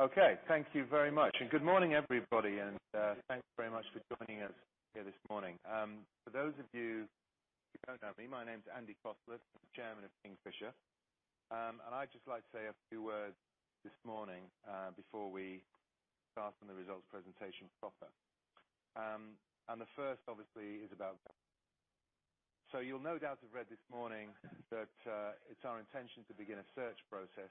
Okay, thank you very much. Good morning, everybody, and thanks very much for joining us here this morning. For those of you who don't know me, my name is Andy Cosslett, Chairman of Kingfisher. I'd just like to say a few words this morning, before we start on the results presentation proper. The first, obviously, is about Vero. You'll no doubt have read this morning that it's our intention to begin a search process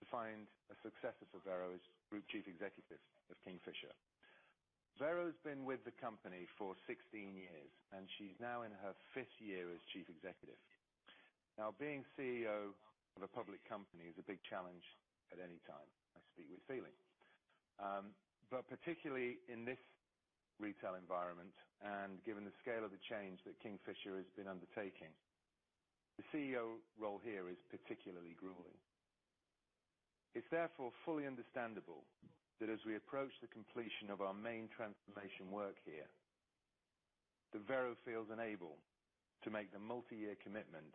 to find a successor for Vero as Group Chief Executive of Kingfisher. Vero's been with the company for 16 years, and she's now in her fifth year as Chief Executive. Being CEO of a public company is a big challenge at any time. I speak with feeling. Particularly in this retail environment, and given the scale of the change that Kingfisher has been undertaking, the CEO role here is particularly grueling. It's therefore fully understandable that as we approach the completion of our main transformation work here, that Vero feels unable to make the multi-year commitment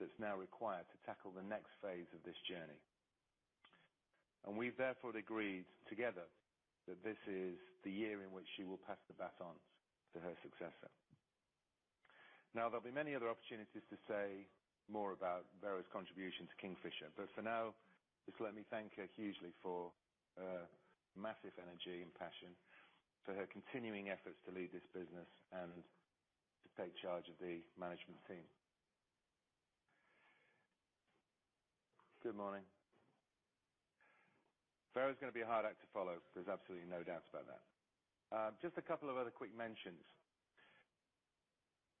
that's now required to tackle the next phase of this journey. We've therefore agreed together that this is the year in which she will pass the baton to her successor. There'll be many other opportunities to say more about Vero's contribution to Kingfisher, but for now, just let me thank her hugely for her massive energy and passion, for her continuing efforts to lead this business and to take charge of the management team. Good morning. Vero's going to be a hard act to follow, there's absolutely no doubt about that. Just a couple of other quick mentions.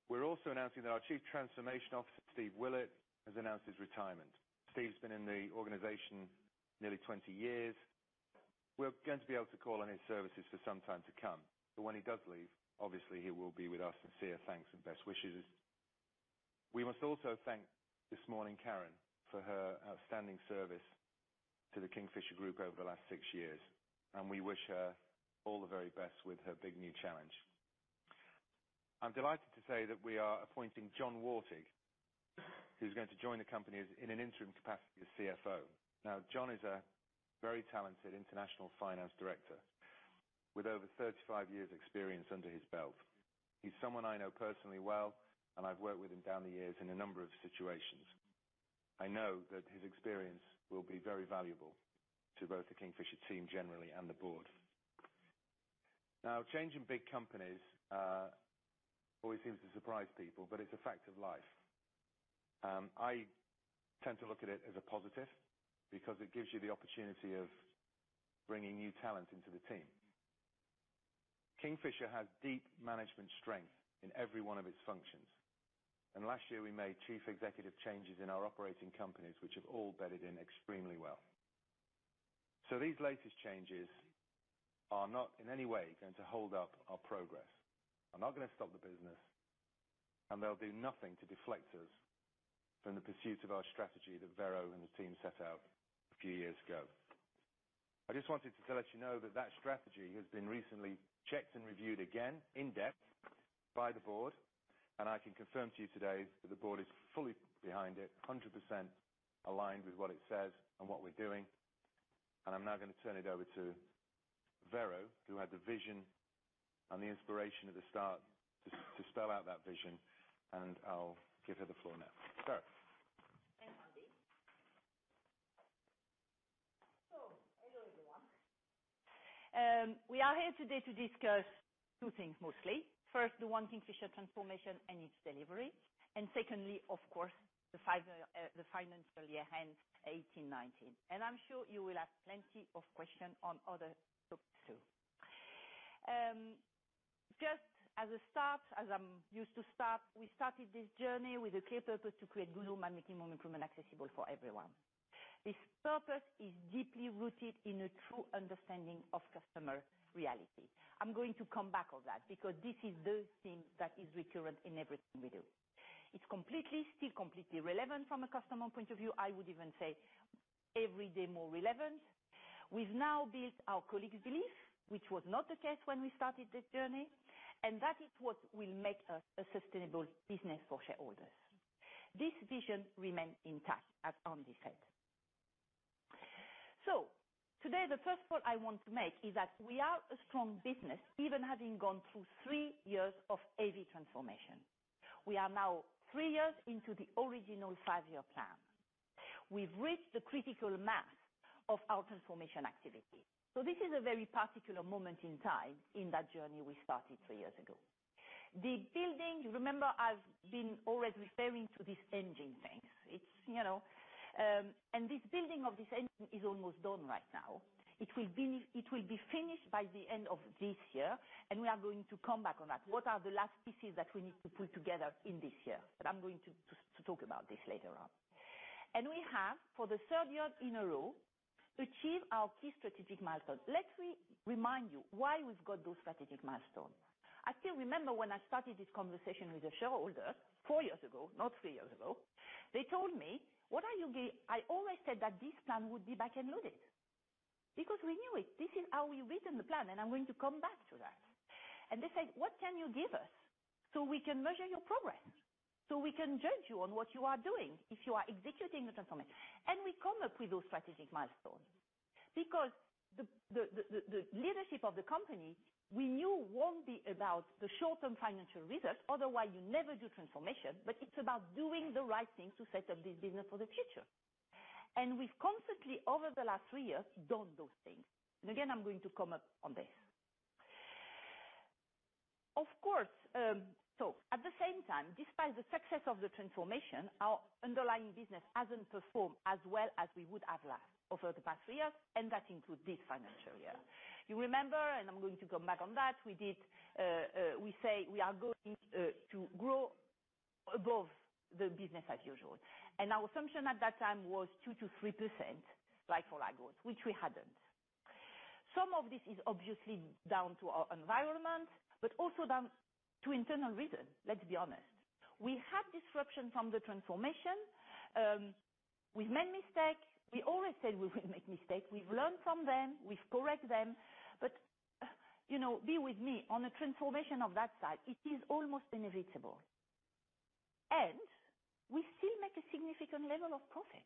We're also announcing that our Chief Transformation Officer, Steve Willett, has announced his retirement. Steve's been in the organization nearly 20 years. We're going to be able to call on his services for some time to come. When he does leave, obviously, he will be with our sincere thanks and best wishes. We must also thank this morning Karen for her outstanding service to the Kingfisher Group over the last six years, and we wish her all the very best with her big new challenge. I'm delighted to say that we are appointing John Wartig, who's going to join the company in an interim capacity as CFO. John is a very talented international finance director with over 35 years experience under his belt. He's someone I know personally well, and I've worked with him down the years in a number of situations. I know that his experience will be very valuable to both the Kingfisher team generally and the board. Change in big companies always seems to surprise people, but it's a fact of life. I tend to look at it as a positive because it gives you the opportunity of bringing new talent into the team. Kingfisher has deep management strength in every one of its functions, and last year we made Chief Executive changes in our operating companies, which have all bedded in extremely well. These latest changes are not in any way going to hold up our progress, are not going to stop the business, and they'll do nothing to deflect us from the pursuit of our strategy that Vero and the team set out a few years ago. I just wanted to let you know that that strategy has been recently checked and reviewed again in depth by the board. I can confirm to you today that the board is fully behind it, 100% aligned with what it says and what we're doing. I'm now going to turn it over to Vero, who had the vision and the inspiration at the start to spell out that vision, and I'll give her the floor now. Vero. Thanks, Andy. Hello, everyone. We are here today to discuss two things mostly. First, the Kingfisher transformation and its delivery. Secondly, of course, the financial year end 2018, 2019. I'm sure you will have plenty of question on other topics too. Just as a start, as I'm used to start, we started this journey with a clear purpose to create global home improvement accessible for everyone. This purpose is deeply rooted in a true understanding of customer reality. I'm going to come back on that because this is the thing that is recurrent in everything we do. It's completely still completely relevant from a customer point of view. I would even say every day more relevant. We've now built our colleagues' belief, which was not the case when we started this journey, and that is what will make us a sustainable business for shareholders. This vision remains intact, as Andy said. Today, the first point I want to make is that we are a strong business, even having gone through three years of heavy transformation. We are now three years into the original five-year plan. We've reached the critical mass of our transformation activity. This is a very particular moment in time in that journey we started three years ago. The building, you remember I've been always referring to this engine thing. This building of this engine is almost done right now. It will be finished by the end of this year. We are going to come back on that. What are the last pieces that we need to pull together in this year? I'm going to talk about this later on. We have, for the third year in a row, achieved our key strategic milestones. Let me remind you why we've got those strategic milestones. I still remember when I started this conversation with a shareholder four years ago, not three years ago. They told me, "What are you I always said that this plan would be back and loaded." We knew it. This is how we've written the plan. I'm going to come back to that. They say, "What can you give us so we can measure your progress, so we can judge you on what you are doing if you are executing the transformation?" We come up with those strategic milestones because the leadership of the company, we knew won't be about the short-term financial results, otherwise you never do transformation, but it's about doing the right thing to set up this business for the future. We've constantly, over the last three years, done those things. Again, I'm going to come up on this. At the same time, despite the success of the transformation, our underlying business hasn't performed as well as we would have liked over the past three years, and that includes this financial year. You remember, and I'm going to come back on that, we say we are going to grow above the business as usual. Our assumption at that time was 2%-3% like-for-like growth, which we hadn't. Some of this is obviously down to our environment, but also down to internal reasons, let's be honest. We had disruptions from the transformation. We made mistakes. We always said we will make mistakes. We've learned from them. We've corrected them. Be with me. On a transformation of that size, it is almost inevitable. We still make a significant level of profit.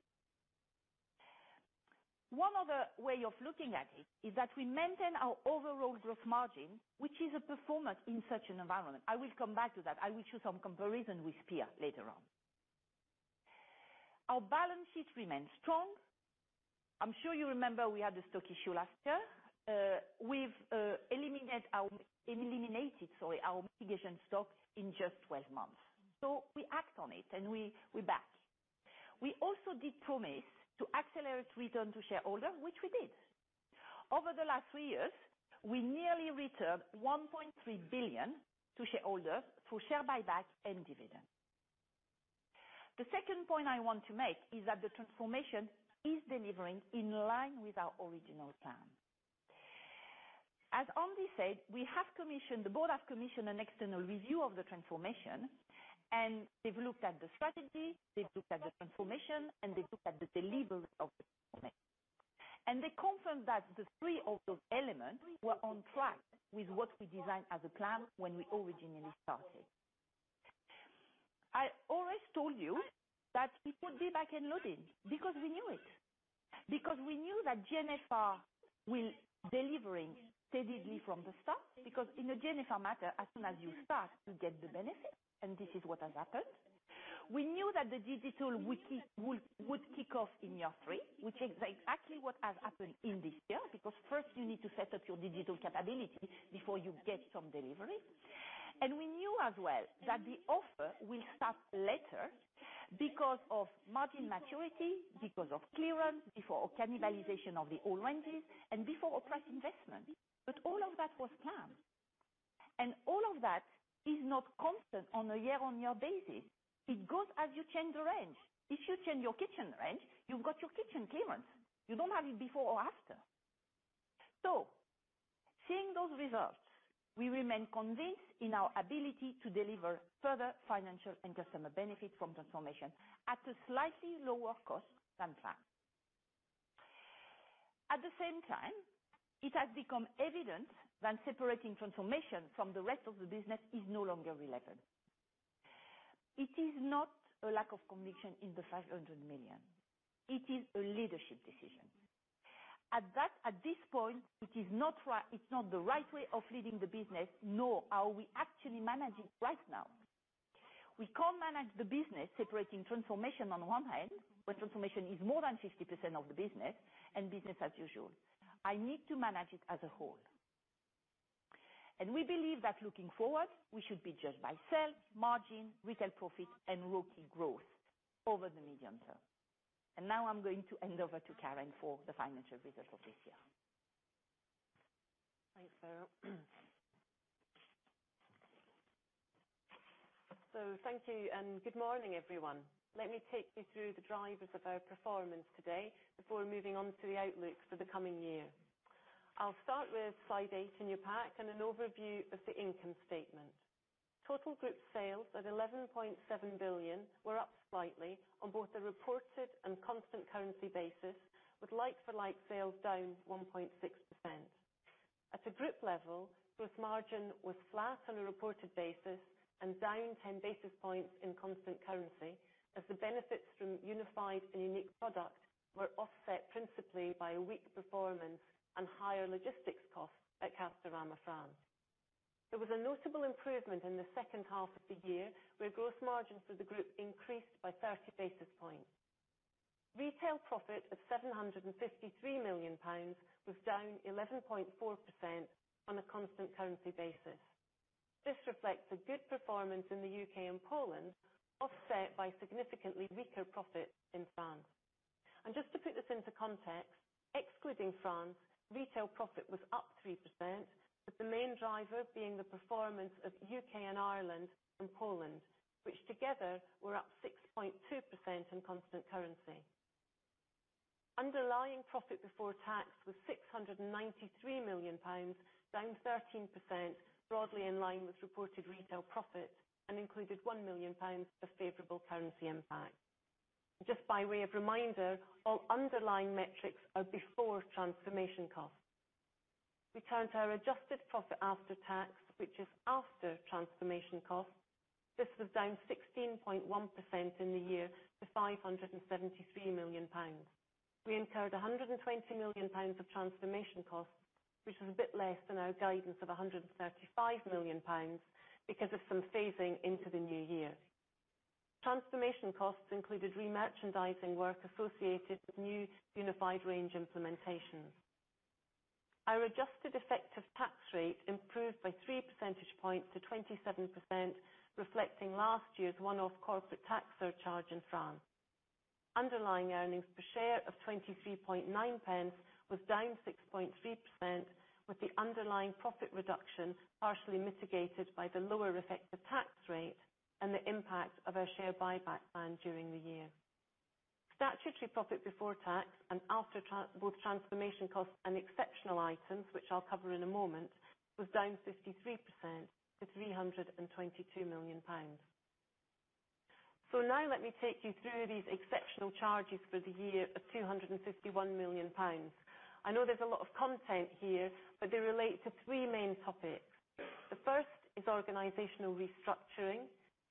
One other way of looking at it is that we maintain our overall growth margin, which is a performance in such an environment. I will come back to that. I will show some comparison with peer later on. Our balance sheet remains strong. I'm sure you remember we had the stock issue last year. We've eliminated our mitigation stock in just 12 months. We act on it, and we're back. We also did promise to accelerate return to shareholders, which we did. Over the last three years, we nearly returned 1.3 billion to shareholders through share buyback and dividend. The second point I want to make is that the transformation is delivering in line with our original plan. As Andy Cosslett said, the board have commissioned an external review of the transformation, they've looked at the strategy, they've looked at the transformation, and they've looked at the delivery of the transformation. They confirmed that the three of those elements were on track with what we designed as a plan when we originally started. I always told you that it would be back end loading because we knew it. We knew that GNFR will delivering steadily from the start, because in a GNFR matter, as soon as you start, you get the benefit, and this is what has happened. We knew that the digital would kick off in year three, which is exactly what has happened in this year, because first you need to set up your digital capability before you get some delivery. We knew as well that the offer will start later because of margin maturity, because of clearance before cannibalization of the old ranges, and before our price investment. All of that was planned. All of that is not constant on a year-on-year basis. It goes as you change the range. If you change your kitchen range, you've got your kitchen clearance. You don't have it before or after. Seeing those results, we remain convinced in our ability to deliver further financial and customer benefit from transformation at a slightly lower cost than planned. At the same time, it has become evident that separating transformation from the rest of the business is no longer relevant. It is not a lack of conviction in the 500 million. It is a leadership decision. At this point, it's not the right way of leading the business, nor are we actually managing right now. We can't manage the business separating transformation on one hand, where transformation is more than 50% of the business, and business as usual. I need to manage it as a whole. We believe that looking forward, we should be judged by sales, margin, retail profit, and ROCE growth over the medium term. Now I'm going to hand over to Karen for the financial results of this year. Thanks, Véronique. Thank you, and good morning, everyone. Let me take you through the drivers of our performance today before moving on to the outlook for the coming year. I'll start with slide eight in your pack and an overview of the income statement. Total group sales at 11.7 billion were up slightly on both the reported and constant currency basis, with like-for-like sales down 1.6%. At a group level, gross margin was flat on a reported basis and down 10 basis points in constant currency as the benefits from Unified and Unique product were offset principally by a weak performance and higher logistics costs at Castorama France. There was a notable improvement in the second half of the year where gross margin for the group increased by 30 basis points. Retail profit of GBP 753 million was down 11.4% on a constant currency basis. This reflects a good performance in the U.K. and Poland, offset by significantly weaker profit in France. Just to put this into context, excluding France, retail profit was up 3%, with the main driver being the performance of U.K. and Ireland and Poland, which together were up 6.2% in constant currency. Underlying profit before tax was 693 million pounds, down 13%, broadly in line with reported retail profit and included 1 million pounds of favorable currency impact. Just by way of reminder, all underlying metrics are before transformation costs. We count our adjusted profit after tax, which is after transformation costs. This was down 16.1% in the year to 573 million pounds. We incurred 120 million pounds of transformation costs, which is a bit less than our guidance of 135 million pounds because of some phasing into the new year. Transformation costs included remerchandising work associated with new Unified range implementations. Our adjusted effective tax rate improved by 3 percentage points to 27%, reflecting last year's one-off corporate tax surcharge in France. Underlying earnings per share of 0.239 was down 6.3% with the underlying profit reduction partially mitigated by the lower effective tax rate and the impact of our share buyback plan during the year. Statutory profit before tax and after both transformation costs and exceptional items, which I'll cover in a moment, was down 53% to 322 million pounds. Now let me take you through these exceptional charges for the year of 251 million pounds. I know there's a lot of content here, but they relate to three main topics. The first is organizational restructuring,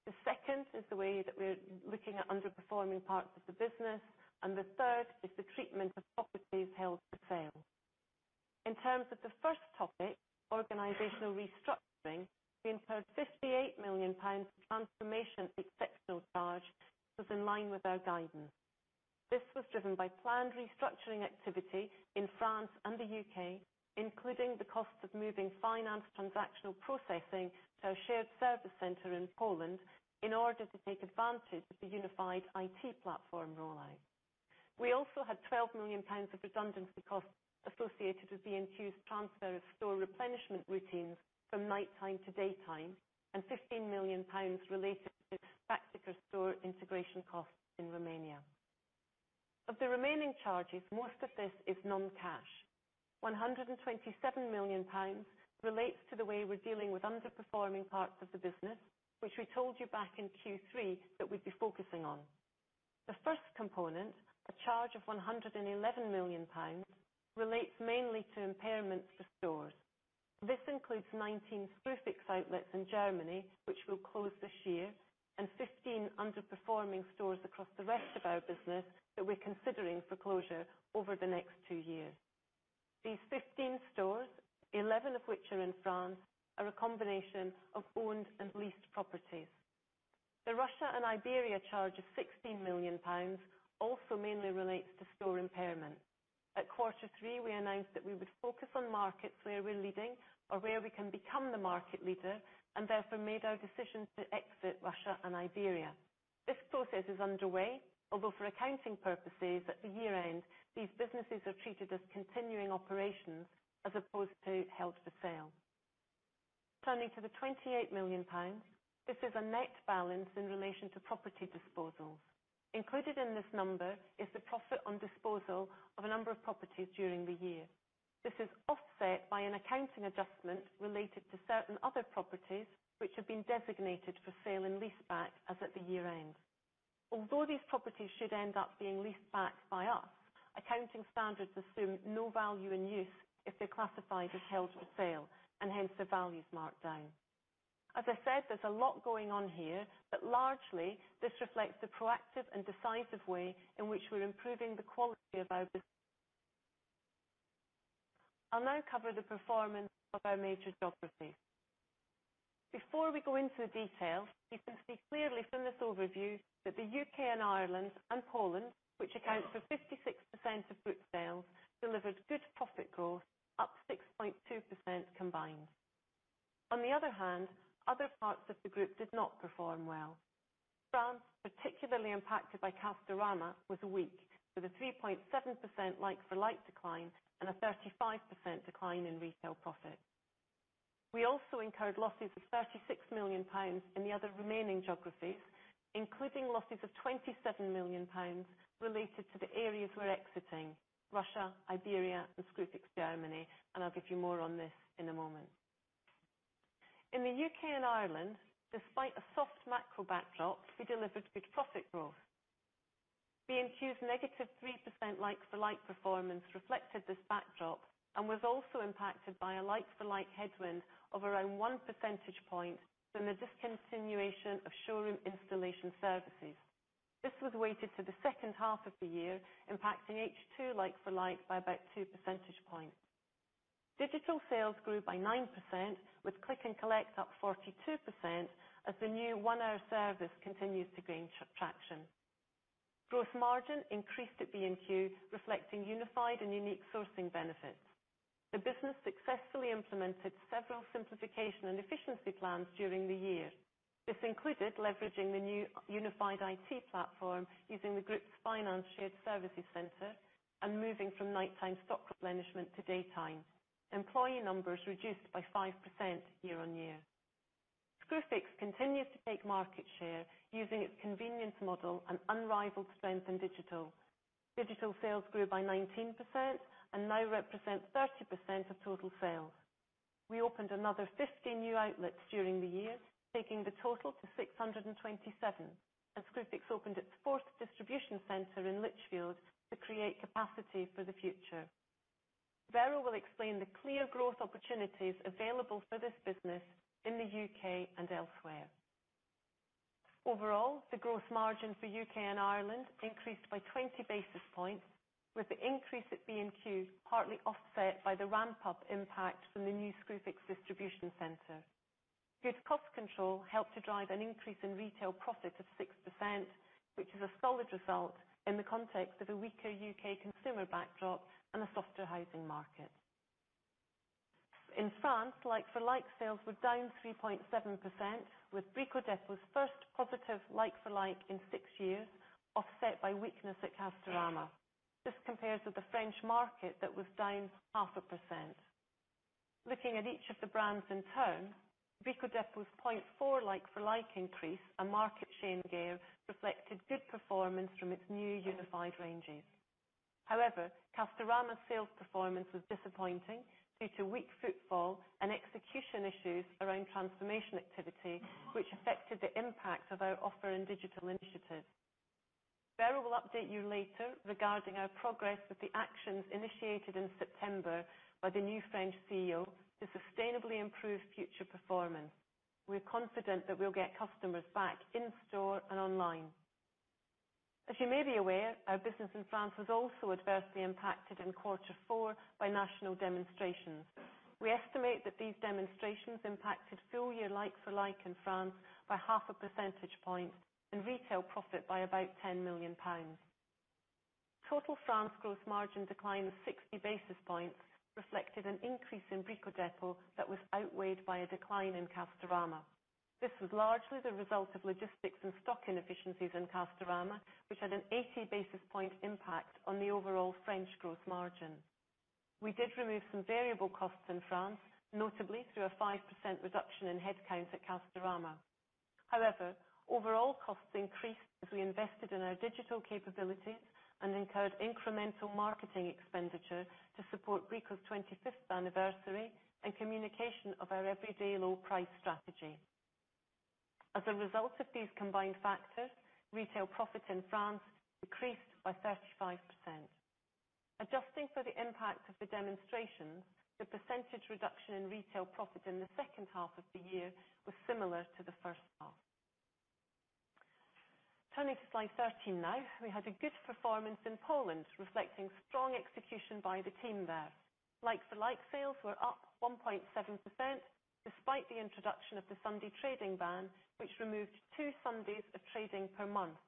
the second is the way that we're looking at underperforming parts of the business, and the third is the treatment of properties held for sale. In terms of the first topic, organizational restructuring, we incurred 58 million pounds for transformation exceptional charge was in line with our guidance. This was driven by planned restructuring activity in France and the U.K., including the cost of moving finance transactional processing to our shared service center in Poland in order to take advantage of the Unified IT platform rollout. We also had 12 million pounds of redundancy costs associated with B&Q's transfer of store replenishment routines from nighttime to daytime and 15 million pounds related to Praktiker store integration costs in Romania. Of the remaining charges, most of this is non-cash. 127 million pounds relates to the way we're dealing with underperforming parts of the business, which we told you back in Q3 that we'd be focusing on. The first component, a charge of 111 million pounds, relates mainly to impairments to stores. This includes 19 Screwfix outlets in Germany, which will close this year, and 15 underperforming stores across the rest of our business that we're considering for closure over the next two years. These 15 stores, 11 of which are in France, are a combination of owned and leased properties. The Russia and Iberia charge of 16 million pounds also mainly relates to store impairment. At quarter three, we announced that we would focus on markets where we're leading or where we can become the market leader, and therefore made our decision to exit Russia and Iberia. This process is underway, although for accounting purposes at the year-end, these businesses are treated as continuing operations as opposed to held for sale. Turning to the 28 million pounds. This is a net balance in relation to property disposals. Included in this number is the profit on disposal of a number of properties during the year. This is offset by an accounting adjustment related to certain other properties, which have been designated for sale and lease back as at the year-end. Although these properties should end up being leased back by us, accounting standards assume no value in use if they're classified as held for sale, and hence the value is marked down. As I said, there's a lot going on here, but largely this reflects the proactive and decisive way in which we're improving the quality of our business. I'll now cover the performance of our major geographies. Before we go into the detail, you can see clearly from this overview that the U.K. and Ireland and Poland, which accounts for 56% of group sales, delivered good profit growth up 6.2% combined. Other parts of the group did not perform well. France, particularly impacted by Castorama, was weak with a 3.7% like-for-like decline and a 35% decline in retail profit. We also incurred losses of 36 million pounds in the other remaining geographies, including losses of 27 million pounds related to the areas we're exiting, Russia, Iberia and Screwfix Germany. I'll give you more on this in a moment. In the U.K. and Ireland, despite a soft macro backdrop, we delivered good profit growth. B&Q's negative 3% like-for-like performance reflected this backdrop and was also impacted by a like-for-like headwind of around one percentage point from the discontinuation of showroom installation services. This was weighted to the second half of the year, impacting H2 like-for-like by about two percentage points. Digital sales grew by 9%, with click and collect up 42% as the new one-hour service continues to gain traction. Gross margin increased at B&Q, reflecting Unified and Unique sourcing benefits. The business successfully implemented several simplification and efficiency plans during the year. This included leveraging the new Unified IT platform using the group's finance shared services center and moving from nighttime stock replenishment to daytime. Employee numbers reduced by 5% year-on-year. Screwfix continues to take market share using its convenience model and unrivaled strength in digital. Digital sales grew by 19% and now represent 30% of total sales. We opened another 50 new outlets during the year, taking the total to 627, as Screwfix opened its fourth distribution center in Lichfield to create capacity for the future. Vero will explain the clear growth opportunities available for this business in the U.K. and elsewhere. Overall, the growth margin for U.K. and Ireland increased by 20 basis points, with the increase at B&Q partly offset by the ramp-up impact from the new Screwfix distribution center. Good cost control helped to drive an increase in retail profit of 6%, which is a solid result in the context of a weaker U.K. consumer backdrop and a softer housing market. In France, like-for-like sales were down 3.7%, with Brico Dépôt's first positive like-for-like in six years offset by weakness at Castorama. This compares with the French market that was down 0.5%. Looking at each of the brands in turn, Brico Dépôt's 0.4 like-for-like increase and market share gain reflected good performance from its new Unified ranges. However, Castorama's sales performance was disappointing due to weak footfall and execution issues around transformation activity, which affected the impact of our offer and digital initiatives. Vero will update you later regarding our progress with the actions initiated in September by the new French CEO to sustainably improve future performance. We're confident that we'll get customers back in store and online. As you may be aware, our business in France was also adversely impacted in quarter four by national demonstrations. We estimate that these demonstrations impacted full year like-for-like in France by half a percentage point and retail profit by about 10 million pounds. Total France gross margin decline of 60 basis points reflected an increase in Brico Dépôt that was outweighed by a decline in Castorama. This was largely the result of logistics and stock inefficiencies in Castorama, which had an 80 basis point impact on the overall French gross margin. We did remove some variable costs in France, notably through a 5% reduction in head count at Castorama. Overall costs increased as we invested in our digital capabilities and incurred incremental marketing expenditure to support Brico's 25th anniversary and communication of our Every Day Low Price strategy. As a result of these combined factors, retail profit in France decreased by 35%. Adjusting for the impact of the demonstrations, the percentage reduction in retail profit in the second half of the year was similar to the first half. Turning to slide 13 now. We had a good performance in Poland, reflecting strong execution by the team there. Like-for-like sales were up 1.7%, despite the introduction of the Sunday trading ban, which removed two Sundays of trading per month.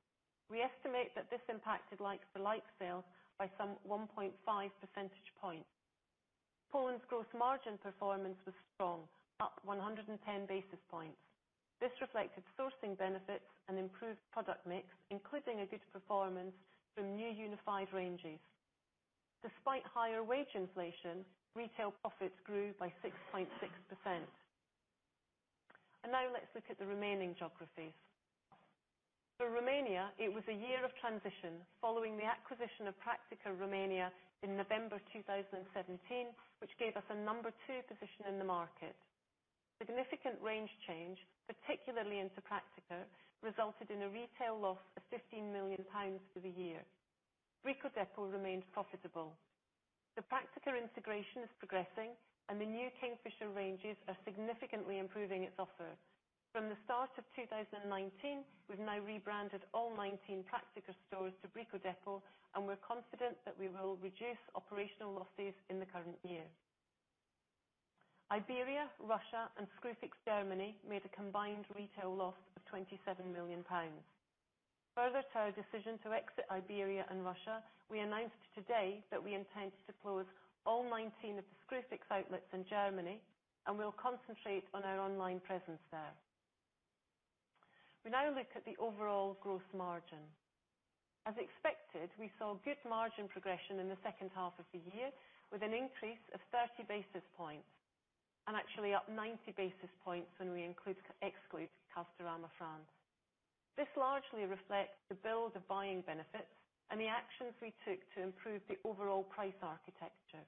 We estimate that this impacted like-for-like sales by some 1.5 percentage points. Poland's gross margin performance was strong, up 110 basis points. This reflected sourcing benefits and improved product mix, including a good performance from new Unified ranges. Despite higher wage inflation, retail profits grew by 6.6%. Now let's look at the remaining geographies. For Romania, it was a year of transition following the acquisition of Praktiker Romania in November 2017, which gave us a number 2 position in the market. Significant range change, particularly into Praktiker, resulted in a retail loss of 15 million pounds for the year. Brico Dépôt remained profitable. The Praktiker integration is progressing and the new Kingfisher ranges are significantly improving its offer. From the start of 2019, we've now rebranded all 19 Praktiker stores to Brico Dépôt, and we're confident that we will reduce operational losses in the current year. Iberia, Russia and Screwfix Germany made a combined retail loss of 27 million pounds. Further to our decision to exit Iberia and Russia, we announced today that we intend to close all 19 of the Screwfix outlets in Germany and will concentrate on our online presence there. We now look at the overall gross margin. As expected, we saw good margin progression in the second half of the year with an increase of 30 basis points and actually up 90 basis points when we exclude Castorama France. This largely reflects the build of buying benefits and the actions we took to improve the overall price architecture.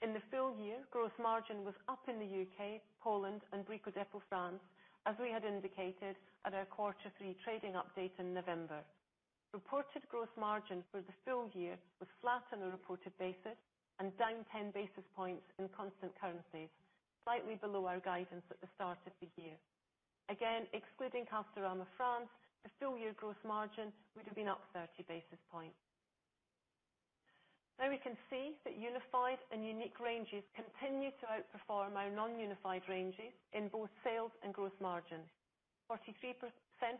In the full year, gross margin was up in the U.K., Poland and Brico Dépôt France, as we had indicated at our quarter three trading update in November. Reported gross margin for the full year was flat on a reported basis and down 10 basis points in constant currencies, slightly below our guidance at the start of the year. Again, excluding Castorama France, the full-year gross margin would have been up 30 basis points. Now we can see that Unified and Unique ranges continued to outperform our non-Unified ranges in both sales and gross margins. 43%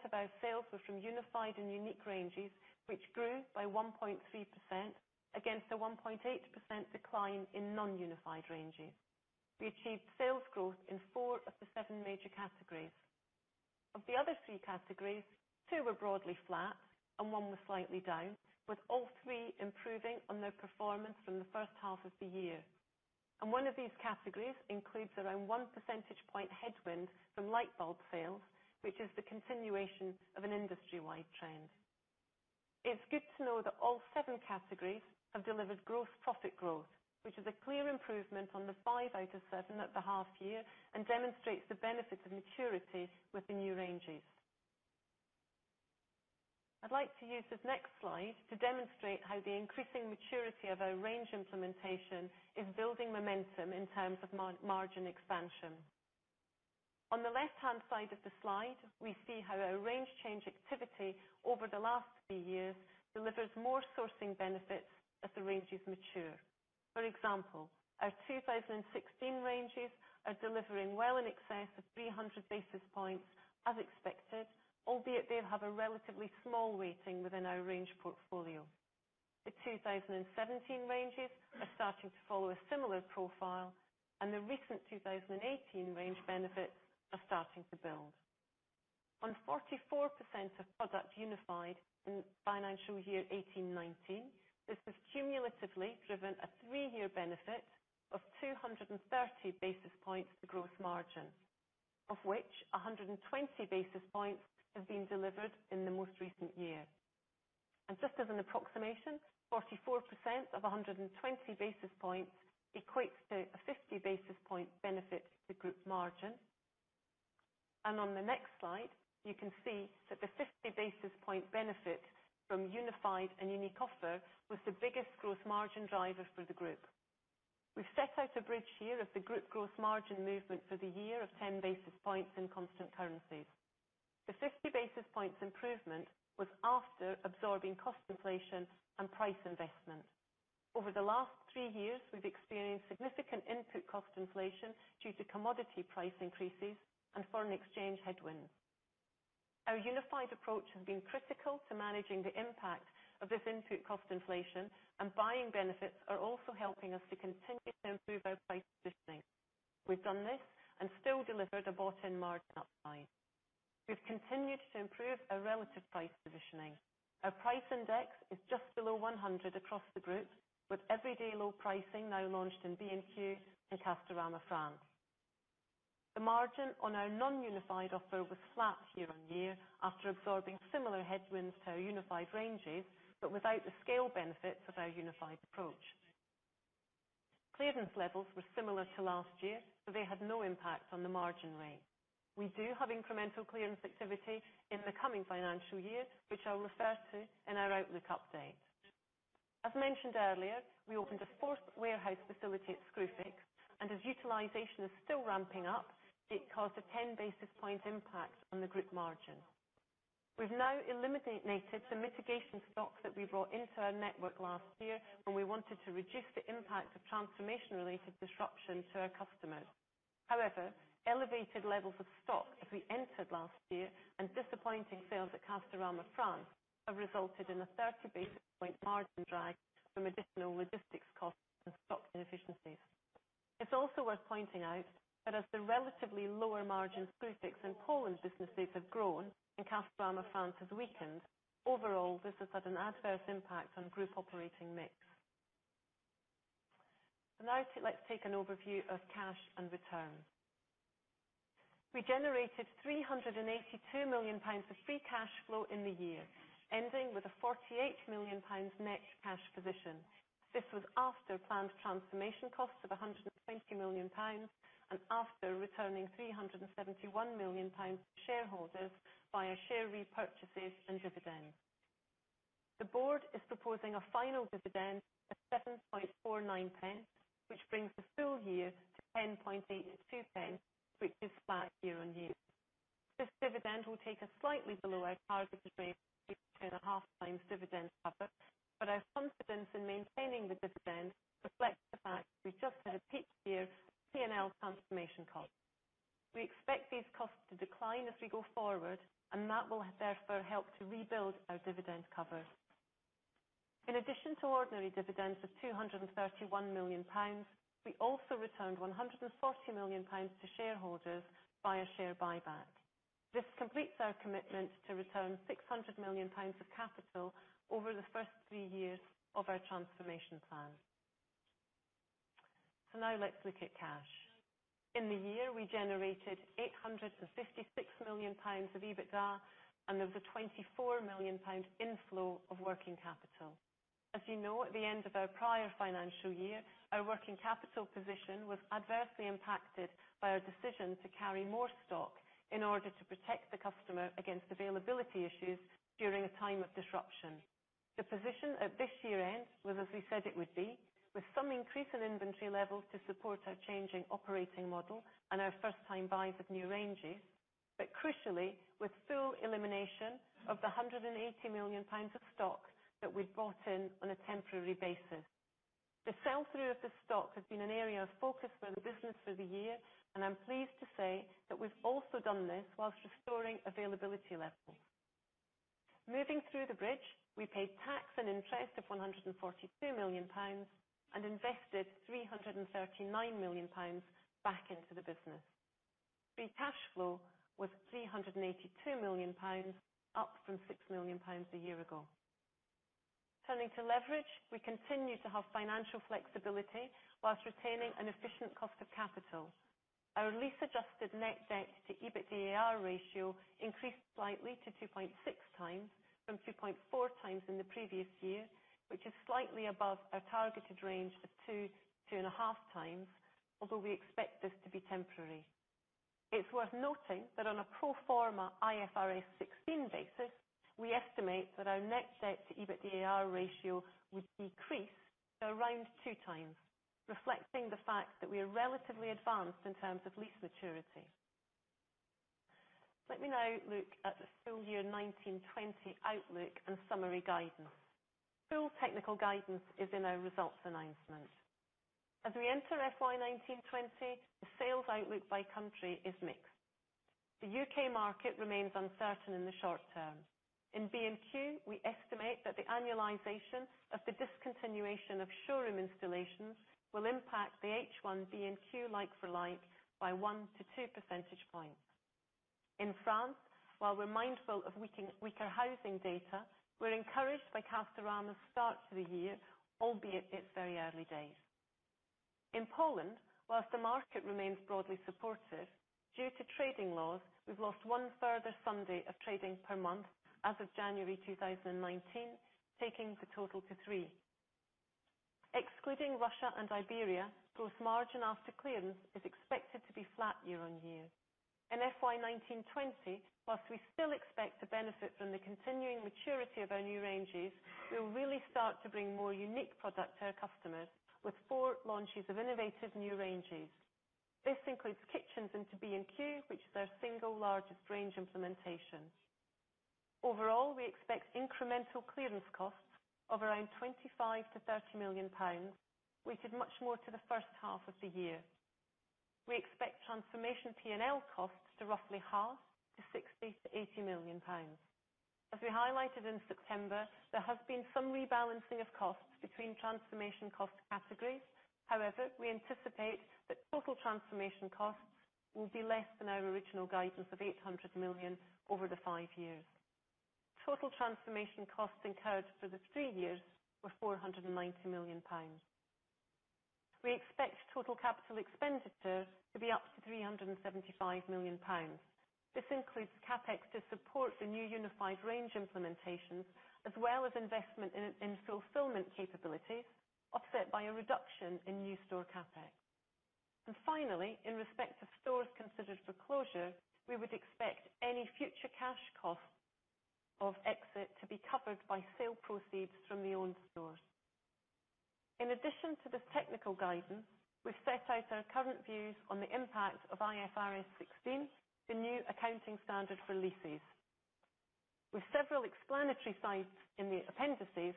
of our sales were from Unified and Unique ranges, which grew by 1.3% against a 1.8% decline in non-Unified ranges. We achieved sales growth in 4 of the 7 major categories. Of the other 3 categories, 2 were broadly flat and 1 was slightly down, with all 3 improving on their performance from the first half of the year. One of these categories includes around one percentage point headwind from light bulb sales, which is the continuation of an industry-wide trend. It's good to know that all 7 categories have delivered gross profit growth, which is a clear improvement on the five out of seven at the half year and demonstrates the benefits of maturity with the new ranges. I'd like to use this next slide to demonstrate how the increasing maturity of our range implementation is building momentum in terms of margin expansion. On the left-hand side of the slide, we see how our range change activity over the last three years delivers more sourcing benefits as the ranges mature. For example, our 2016 ranges are delivering well in excess of 300 basis points as expected, albeit they have a relatively small weighting within our range portfolio. The 2017 ranges are starting to follow a similar profile, the recent 2018 range benefits are starting to build. On 44% of products Unified in financial year 2018-2019, this has cumulatively driven a three-year benefit of 230 basis points to gross margin, of which 120 basis points have been delivered in the most recent year. Just as an approximation, 44% of 120 basis points equates to a 50 basis point benefit to group margin. On the next slide, you can see that the 50 basis point benefit from Unified and Unique offer was the biggest gross margin driver for the group. We've set out a bridge here of the group gross margin movement for the year of 10 basis points in constant currencies. The 50 basis points improvement was after absorbing cost inflation and price investment. Over the last three years, we've experienced significant input cost inflation due to commodity price increases and foreign exchange headwinds. Our Unified approach has been critical to managing the impact of this input cost inflation, and buying benefits are also helping us to continue to improve our price positioning. We've done this and still delivered a bottom margin upline. We've continued to improve our relative price positioning. Our price index is just below 100 across the group, with everyday low pricing now launched in B&Q and Castorama France. The margin on our non-Unified offer was flat year-on-year after absorbing similar headwinds to our Unified ranges, but without the scale benefits of our Unified approach. Clearance levels were similar to last year, they had no impact on the margin rate. We do have incremental clearance activity in the coming financial year, which I'll refer to in our outlook update. As mentioned earlier, we opened a fourth warehouse facility at Screwfix, and as utilization is still ramping up, it caused a 10 basis point impact on the group margin. We've now eliminated some mitigation stock that we brought into our network last year when we wanted to reduce the impact of transformation-related disruption to our customers. However, elevated levels of stock as we entered last year and disappointing sales at Castorama France have resulted in a 30 basis point margin drag from additional logistics costs and stock inefficiencies. It's also worth pointing out that as the relatively lower margin Screwfix and Poland businesses have grown and Castorama France has weakened, overall, this has had an adverse impact on group operating mix. Now, let's take an overview of cash and returns. We generated 382 million pounds of free cash flow in the year, ending with a 48 million pounds net cash position. This was after planned transformation costs of 120 million and after returning 371 million to shareholders via share repurchases and dividends. The board is proposing a final dividend of 0.0749, which brings the full year to 0.1082, which is flat year-on-year. This dividend will take us slightly below our target range of two and a half times dividend cover, our confidence in maintaining the dividend reflects the fact we've just had a peak year P&L transformation cost. We expect these costs to decline as we go forward, that will therefore help to rebuild our dividend cover. In addition to ordinary dividends of 231 million pounds, we also returned 140 million pounds to shareholders via share buyback. This completes our commitment to return 600 million pounds of capital over the first three years of our transformation plan. Now let's look at cash. In the year, we generated 856 million pounds of EBITDA and there was a 24 million pound inflow of working capital. As you know, at the end of our prior financial year, our working capital position was adversely impacted by our decision to carry more stock in order to protect the customer against availability issues during a time of disruption. The position at this year-end was as we said it would be, with some increase in inventory levels to support our changing operating model and our first-time buys of new ranges, but crucially, with full elimination of the 180 million pounds of stock that we'd brought in on a temporary basis. The sell-through of the stock has been an area of focus for the business for the year, and I'm pleased to say that we've also done this whilst restoring availability levels. Moving through the bridge, we paid tax and interest of 142 million pounds and invested 339 million pounds back into the business. Free cash flow was 382 million pounds, up from 6 million pounds a year ago. Turning to leverage, we continue to have financial flexibility whilst retaining an efficient cost of capital. Our lease-adjusted net debt to EBITDA ratio increased slightly to 2.6 times from 2.4 times in the previous year, which is slightly above our targeted range of 2.5 times, although we expect this to be temporary. It's worth noting that on a pro forma IFRS 16 basis, we estimate that our net debt to EBITDA ratio would decrease to around 2 times, reflecting the fact that we are relatively advanced in terms of lease maturity. Let me now look at the full year 2019/2020 outlook and summary guidance. Full technical guidance is in our results announcement. As we enter FY 2019/2020, the sales outlook by country is mixed. The U.K. market remains uncertain in the short term. In B&Q, we estimate that the annualization of the discontinuation of showroom installations will impact the H1 B&Q like-for-like by 1-2 percentage points. In France, while we're mindful of weaker housing data, we're encouraged by Castorama's start to the year, albeit it's very early days. In Poland, whilst the market remains broadly supportive, due to trading laws, we've lost one further Sunday of trading per month as of January 2019, taking the total to three. Excluding Russia and Iberia, gross margin after clearance is expected to be flat year-on-year. In FY 2019/2020, whilst we still expect to benefit from the continuing maturity of our new ranges, we'll really start to bring more Unique product to our customers with four launches of innovative new ranges. This includes kitchens into B&Q, which is our single largest range implementation. Overall, we expect incremental clearance costs of around 25 million-30 million pounds, weighted much more to the first half of the year. We expect transformation P&L costs to roughly halve to 60 million-80 million pounds. As we highlighted in September, there has been some rebalancing of costs between transformation cost categories. However, we anticipate that total transformation costs will be less than our original guidance of 800 million over the five years. Total transformation costs incurred for the three years were 490 million pounds. We expect total capital expenditures to be up to 375 million pounds. This includes CapEx to support the new Unified range implementations, as well as investment in fulfillment capabilities, offset by a reduction in new store CapEx. Finally, in respect of stores considered for closure, we would expect any future cash costs of exit to be covered by sale proceeds from the owned stores. In addition to this technical guidance, we've set out our current views on the impact of IFRS 16, the new accounting standard for leases. With several explanatory sites in the appendices,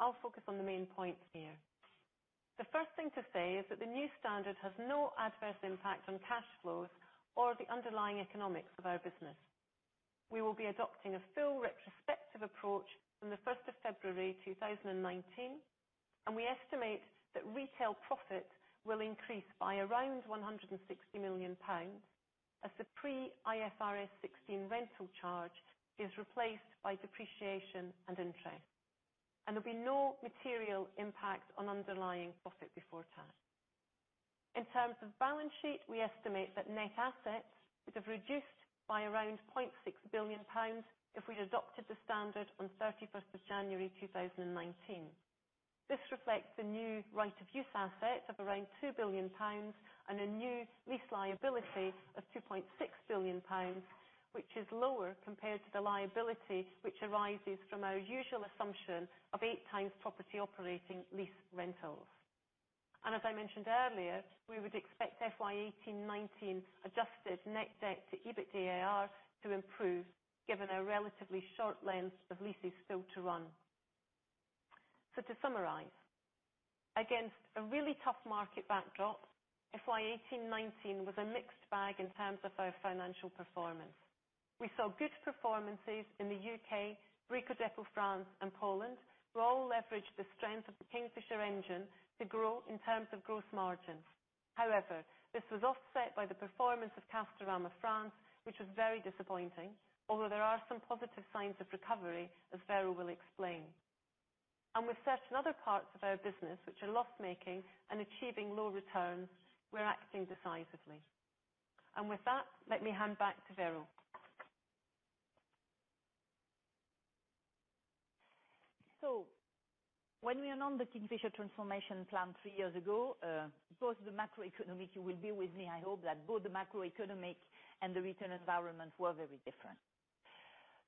I'll focus on the main points here. The first thing to say is that the new standard has no adverse impact on cash flows or the underlying economics of our business. We will be adopting a full retrospective approach from the 1st of February 2019, we estimate that retail profit will increase by around 160 million pounds as the pre-IFRS 16 rental charge is replaced by depreciation and interest. There'll be no material impact on underlying profit before tax. In terms of balance sheet, we estimate that net assets would have reduced by around 0.6 billion pounds if we'd adopted the standard on 31st of January 2019. This reflects the new right of use asset of around 2 billion pounds and a new lease liability of 2.6 billion pounds, which is lower compared to the liability which arises from our usual assumption of eight times property operating lease rentals. As I mentioned earlier, we would expect FY 2018/2019 adjusted net debt to EBITDA to improve given our relatively short length of leases still to run. To summarize, against a really tough market backdrop, FY 2018/2019 was a mixed bag in terms of our financial performance. We saw good performances in the U.K., Brico Dépôt France, and Poland, who all leveraged the strength of the Kingfisher engine to grow in terms of growth margins. However, this was offset by the performance of Castorama France, which was very disappointing, although there are some positive signs of recovery, as Vero will explain. With certain other parts of our business which are loss-making and achieving low returns, we're acting decisively. With that, let me hand back to Vero. When we announced the Kingfisher transformation plan three years ago, you will be with me, I hope, that both the macroeconomic and the retail environment were very different.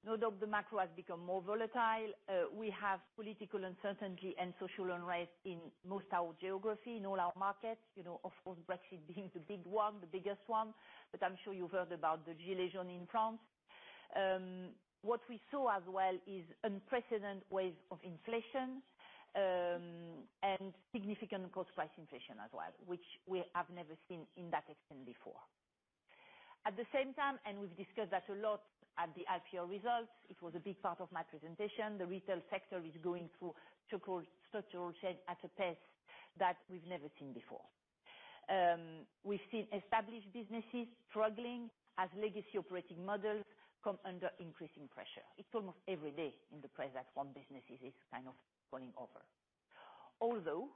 No doubt the macro has become more volatile. We have political uncertainty and social unrest in most our geography, in all our markets. Of course, Brexit being the big one, the biggest one. I'm sure you've heard about the gilets jaunes in France. What we saw as well is unprecedented waves of inflation, and significant cost price inflation as well, which we have never seen in that extent before. At the same time, and we've discussed that a lot at the IPO results, it was a big part of my presentation, the retail sector is going through structural change at a pace that we've never seen before. We've seen established businesses struggling as legacy operating models come under increasing pressure. It's almost every day in the press that one business is kind of falling over. Although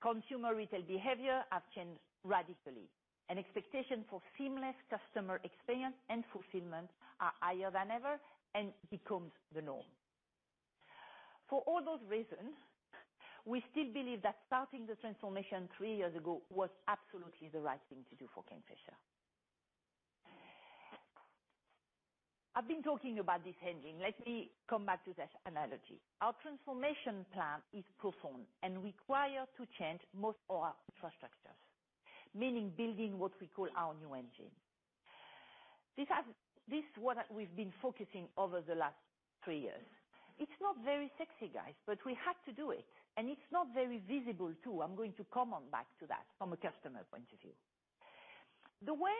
consumer retail behavior has changed radically, expectation for seamless customer experience and fulfillment are higher than ever and becomes the norm. For all those reasons, we still believe that starting the transformation three years ago was absolutely the right thing to do for Kingfisher. I've been talking about this engine. Let me come back to that analogy. Our transformation plan is profound and require to change most of our infrastructures, meaning building what we call our new engine. This is what we've been focusing over the last three years. It's not very sexy, guys, but we had to do it, and it's not very visible, too. I'm going to come on back to that from a customer point of view. The way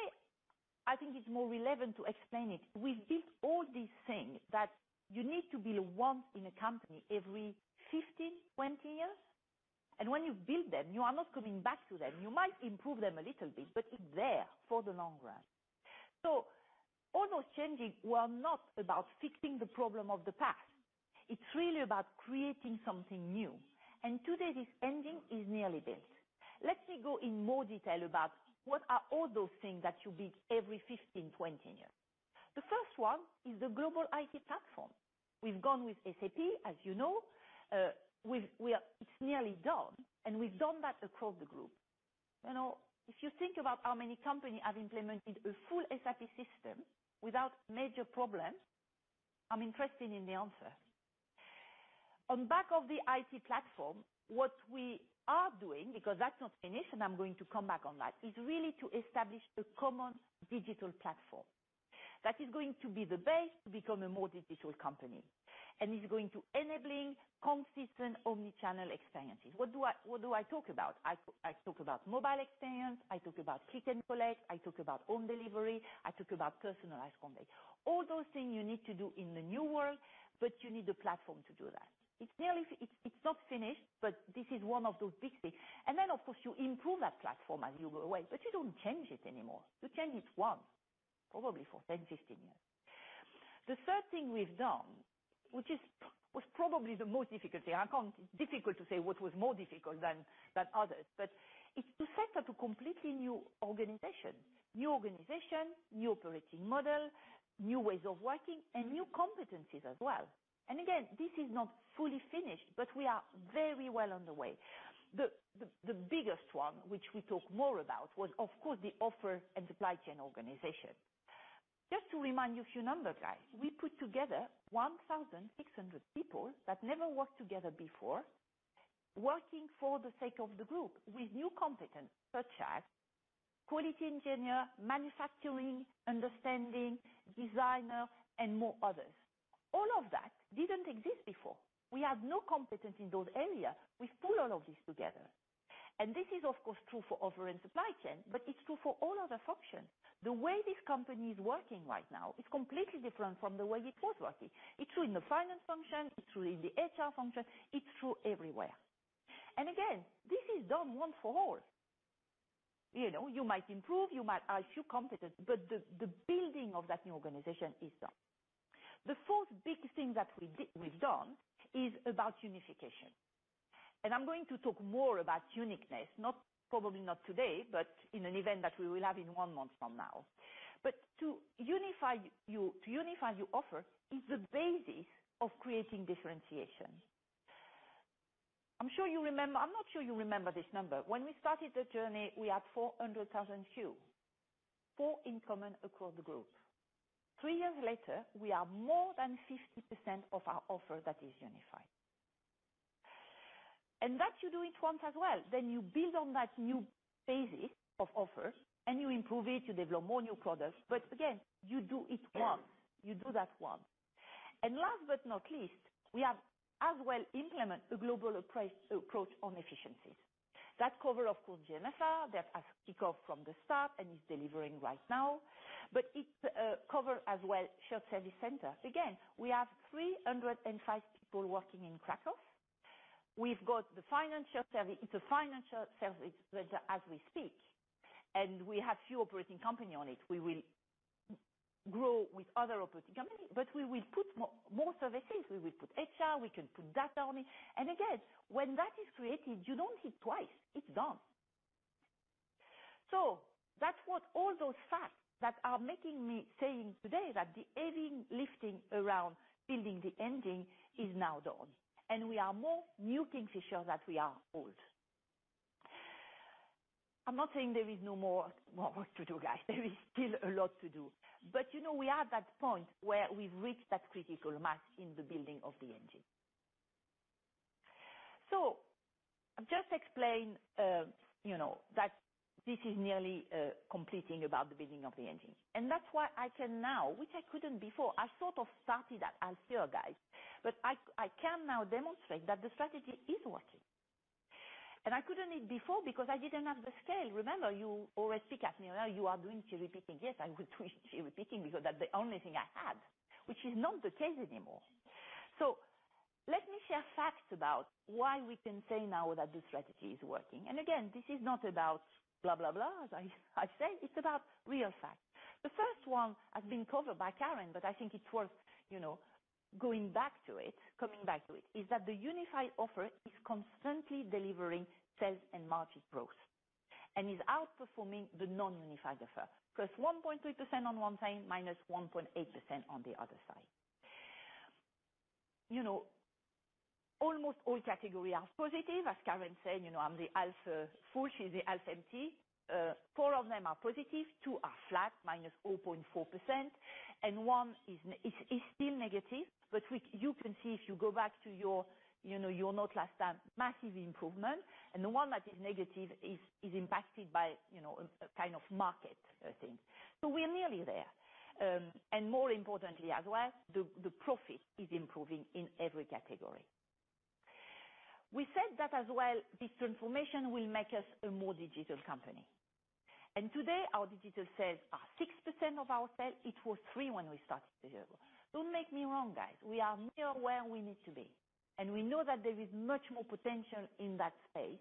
I think it's more relevant to explain it, we built all these things that you need to build once in a company every 15, 20 years, when you build them, you are not coming back to them. You might improve them a little bit, but it's there for the long run. All those changes were not about fixing the problem of the past. It's really about creating something new. Today, this engine is nearly built. Let me go in more detail about what are all those things that you build every 15, 20 years. The first one is the global IT platform. We've gone with SAP, as you know. It's nearly done, and we've done that across the group. If you think about how many company have implemented a full SAP system without major problems, I'm interested in the answer. On back of the IT platform, what we are doing, because that's not finished and I'm going to come back on that, is really to establish a common digital platform that is going to be the base to become a more digital company, and is going to enabling consistent omnichannel experiences. What do I talk about? I talk about mobile experience, I talk about click and collect, I talk about home delivery, I talk about personalized home decor. All those things you need to do in the new world, but you need a platform to do that. It's not finished, but this is one of those big things. Then, of course, you improve that platform as you go away, but you don't change it anymore. You change it once, probably for 10, 15 years. The third thing we've done, which was probably the most difficult thing. Difficult to say what was more difficult than others, but it's to set up a completely new organization. New organization, new operating model, new ways of working, and new competencies as well. Again, this is not fully finished, but we are very well on the way. The biggest one, which we talk more about was, of course, the offer and supply chain organization. Just to remind you a few numbers, guys. We put together 1,600 people that never worked together before, working for the sake of the group with new competence such as quality engineer, manufacturing, understanding, designer, and more others. All of that didn't exist before. We had no competence in those areas. We've pulled all of this together. This is, of course, true for offer and supply chain, but it's true for all other functions. The way this company is working right now is completely different from the way it was working. It's true in the finance function, it's true in the HR function, it's true everywhere. Again, this is done once for all. You might improve, you might add a few competencies, but the building of that new organization is done. The fourth biggest thing that we've done is about unification. I'm going to talk more about uniqueness, probably not today, but in an event that we will have in one month from now. To unify your offer is the basis of creating differentiation. I'm not sure you remember this number. When we started the journey, we had 400,000 SKUs, four in common across the group. 3 years later, we are more than 50% of our offer that is Unified. That you do it once as well. You build on that new basis of offers and you improve it, you develop more new products. Again, you do it once. You do that once. Last but not least, we have as well implemented a global approach on efficiencies. That covers, of course, GNFR, that has kicked off from the start and is delivering right now. It covers as well shared service center. Again, we have 305 people working in Kraków. We've got the financial service. It's a financial service center as we speak, and we have few operating companies on it. We will grow with other operating companies, but we will put more services. We will put HR, we can put that on it. Again, when that is created, you don't hit twice. It's done. That's what all those facts that are making me saying today that the heavy lifting around building the engine is now done, and we are more new Kingfisher than we are old. I'm not saying there is no more work to do, guys. There is still a lot to do. We are at that point where we've reached that critical mass in the building of the engine. I've just explained that this is nearly completing about the building of the engine. That's why I can now, which I couldn't before, I sort of started that Alseo, guys. I can now demonstrate that the strategy is working. I couldn't before because I didn't have the scale. Remember, you always pick at me, "You are doing sheer repeating." Yes, I was sheer repeating because that's the only thing I had, which is not the case anymore. Let me share facts about why we can say now that the strategy is working. Again, this is not about blah, blah, as I said, it's about real facts. The first one has been covered by Karen, but I think it's worth going back to it, coming back to it, is that the Unified offer is constantly delivering sales and margin growth, and is outperforming the non-Unified offer. +1.3% on one side, -1.8% on the other side. Almost all categories are positive. As Karen said, I'm the alpha full, she's the alpha empty. Four of them are positive, two are flat, -0.4%, and one is still negative. You can see if you go back to your note last time, massive improvement. The one that is negative is impacted by a kind of market, I think. We are nearly there. More importantly as well, the profit is improving in every category. We said that as well, this transformation will make us a more digital company. Today, our digital sales are 6% of our sales. It was 3% when we started the year. Don't make me wrong, guys. We are near where we need to be. We know that there is much more potential in that space,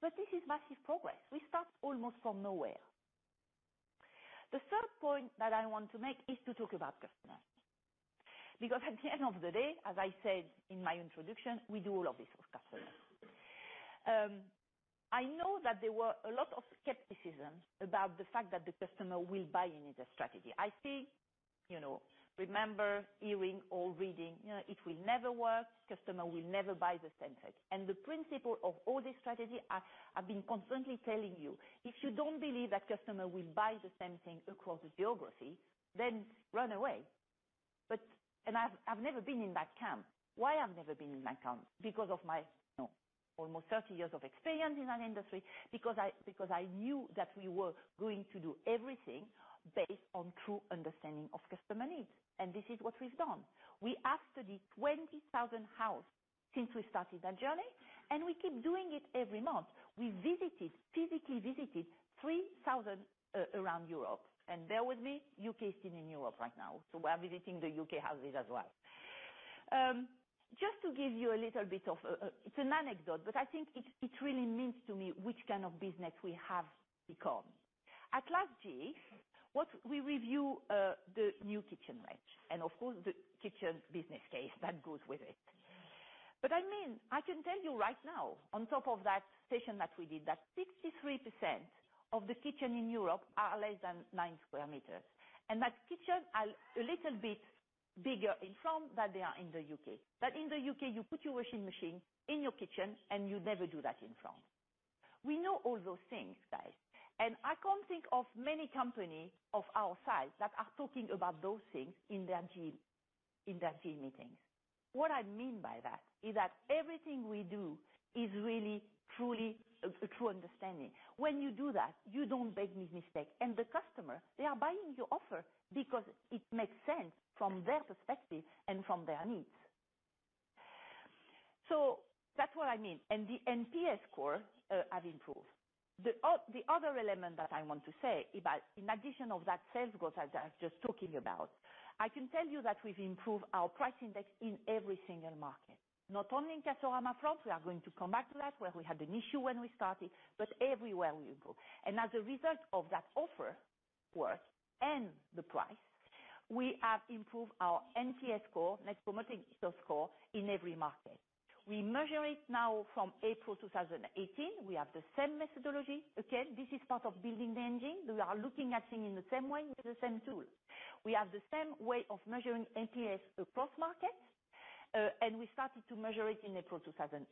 but this is massive progress. We start almost from nowhere. The third point that I want to make is to talk about customers. At the end of the day, as I said in my introduction, we do all of this for customers. I know that there were a lot of skepticism about the fact that the customer will buy into the strategy. I see, remember hearing or reading, it will never work, customer will never buy the same thing. The principle of all this strategy, I've been constantly telling you, if you don't believe that customer will buy the same thing across the geography, then run away. I've never been in that camp. Why I've never been in that camp? Because of my almost 30 years of experience in an industry, because I knew that we were going to do everything based on true understanding of customer needs, and this is what we've done. We studied 20,000 house since we started that journey, and we keep doing it every month. We visited, physically visited 3,000 around Europe. Bear with me, U.K. is still in Europe right now, so we're visiting the U.K. houses as well. Just to give you a little bit of. It's an anecdote, but I think it really means to me which kind of business we have become. At last, we review the new kitchen range, and of course, the kitchen business case that goes with it. I mean, I can tell you right now, on top of that session that we did, that 63% of the kitchen in Europe are less than nine square meters. That kitchens are a little bit bigger in France than they are in the U.K. In the U.K., you put your washing machine in your kitchen, and you never do that in France. We know all those things, guys. I can't think of many company of our size that are talking about those things in their G meetings. What I mean by that is that everything we do is really a true understanding. When you do that, you don't make mistake. The customer, they are buying your offer because it makes sense from their perspective and from their needs. That's what I mean. The NPS score have improved. The other element that I want to say about in addition of that sales growth I was just talking about, I can tell you that we've improved our price index in every single market. Not only in Castorama France, we are going to come back to that, where we had an issue when we started, but everywhere we improved. As a result of that offer work and the price, we have improved our NPS score, net promoter score, in every market. We measure it now from April 2018. We have the same methodology. Again, this is part of building the engine. We are looking at things in the same way with the same tool. We have the same way of measuring NPS across markets, we started to measure it in April 2008.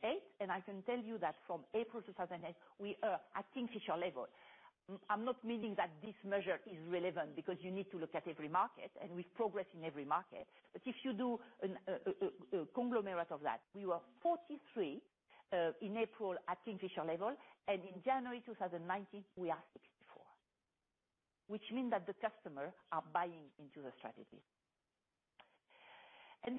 I can tell you that from April 2008, we are at Kingfisher level. I'm not meaning that this measure is relevant because you need to look at every market, and we progress in every market. If you do a conglomerate of that, we were 43 in April at Kingfisher level, and in January 2019, we are 64. Which mean that the customer are buying into the strategy.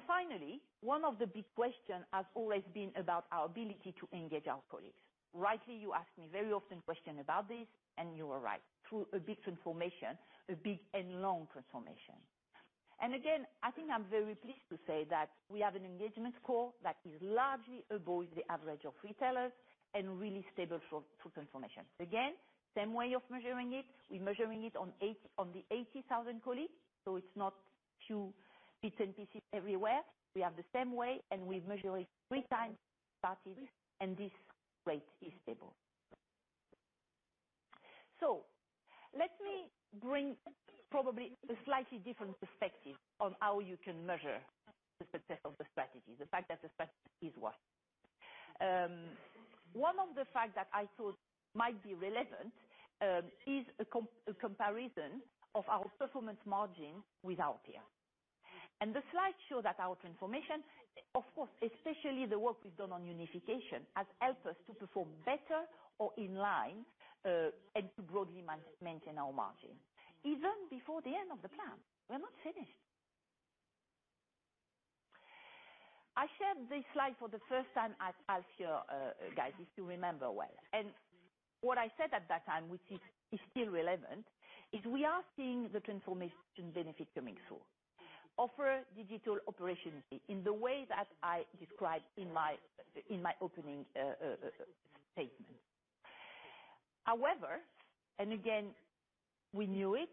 Finally, one of the big question has always been about our ability to engage our colleagues. Rightly, you ask me very often question about this, and you are right. Through a big transformation, a big and long transformation. Again, I think I'm very pleased to say that we have an engagement score that is largely above the average of retailers and really stable through transformation. Again, same way of measuring it. We're measuring it on the 80,000 colleagues, so it's not few bits and pieces everywhere. We have the same way, and we measure it three times since we started, and this rate is stable. Let me bring probably a slightly different perspective on how you can measure the success of the strategy, the fact that the strategy is working. One of the fact that I thought might be relevant, is a comparison of our performance margin with our peer. The slide show that our transformation, of course, especially the work we've done on unification, has helped us to perform better or in line, and to broadly maintain our margin. Even before the end of the plan. We're not finished. I shared this slide for the first time at Alsea, guys, if you remember well. What I said at that time, which is still relevant, is we are seeing the transformation benefit coming through. Offer digital operations in the way that I described in my opening statement. However, and again, we knew it,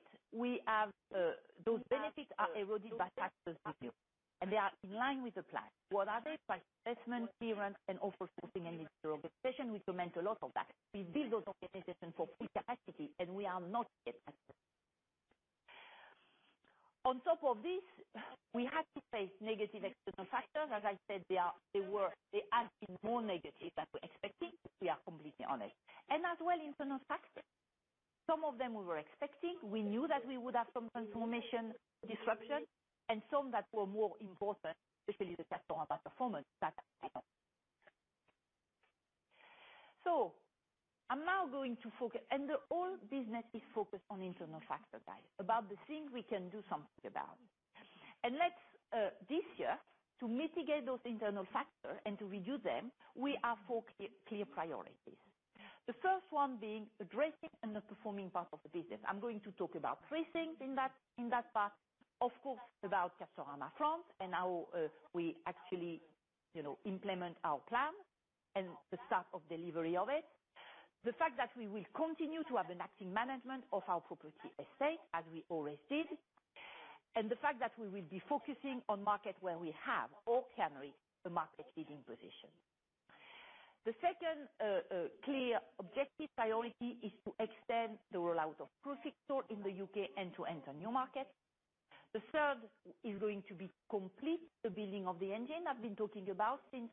those benefits are eroded by factors we knew, and they are in line with the plan. What are they? By assessment, clearance, and offer sculpting and de-obsolescence, which meant a lot of that. We build those organizations for full capacity, and we are not yet at that. On top of this, we had to face negative external factors. As I said, they have been more negative than we expected, we are completely honest. As well, internal factors. Some of them we were expecting. We knew that we would have some transformation disruption and some that were more important, especially the Castorama performance. I'm now going to focus. The whole business is focused on internal factor, guys, about the things we can do something about. This year, to mitigate those internal factors and to reduce them, we have 4 clear priorities. The first one being addressing underperforming part of the business. I'm going to talk about three things in that part. Of course, about Castorama France and how we actually implement our plan and the start of delivery of it. The fact that we will continue to have an active management of our property estate as we always did, the fact that we will be focusing on market where we have or can reach the market leading position. The second clear objective priority is to extend the rollout of Proximo in the U.K. and to enter new markets. The third is going to be complete the building of the engine I've been talking about since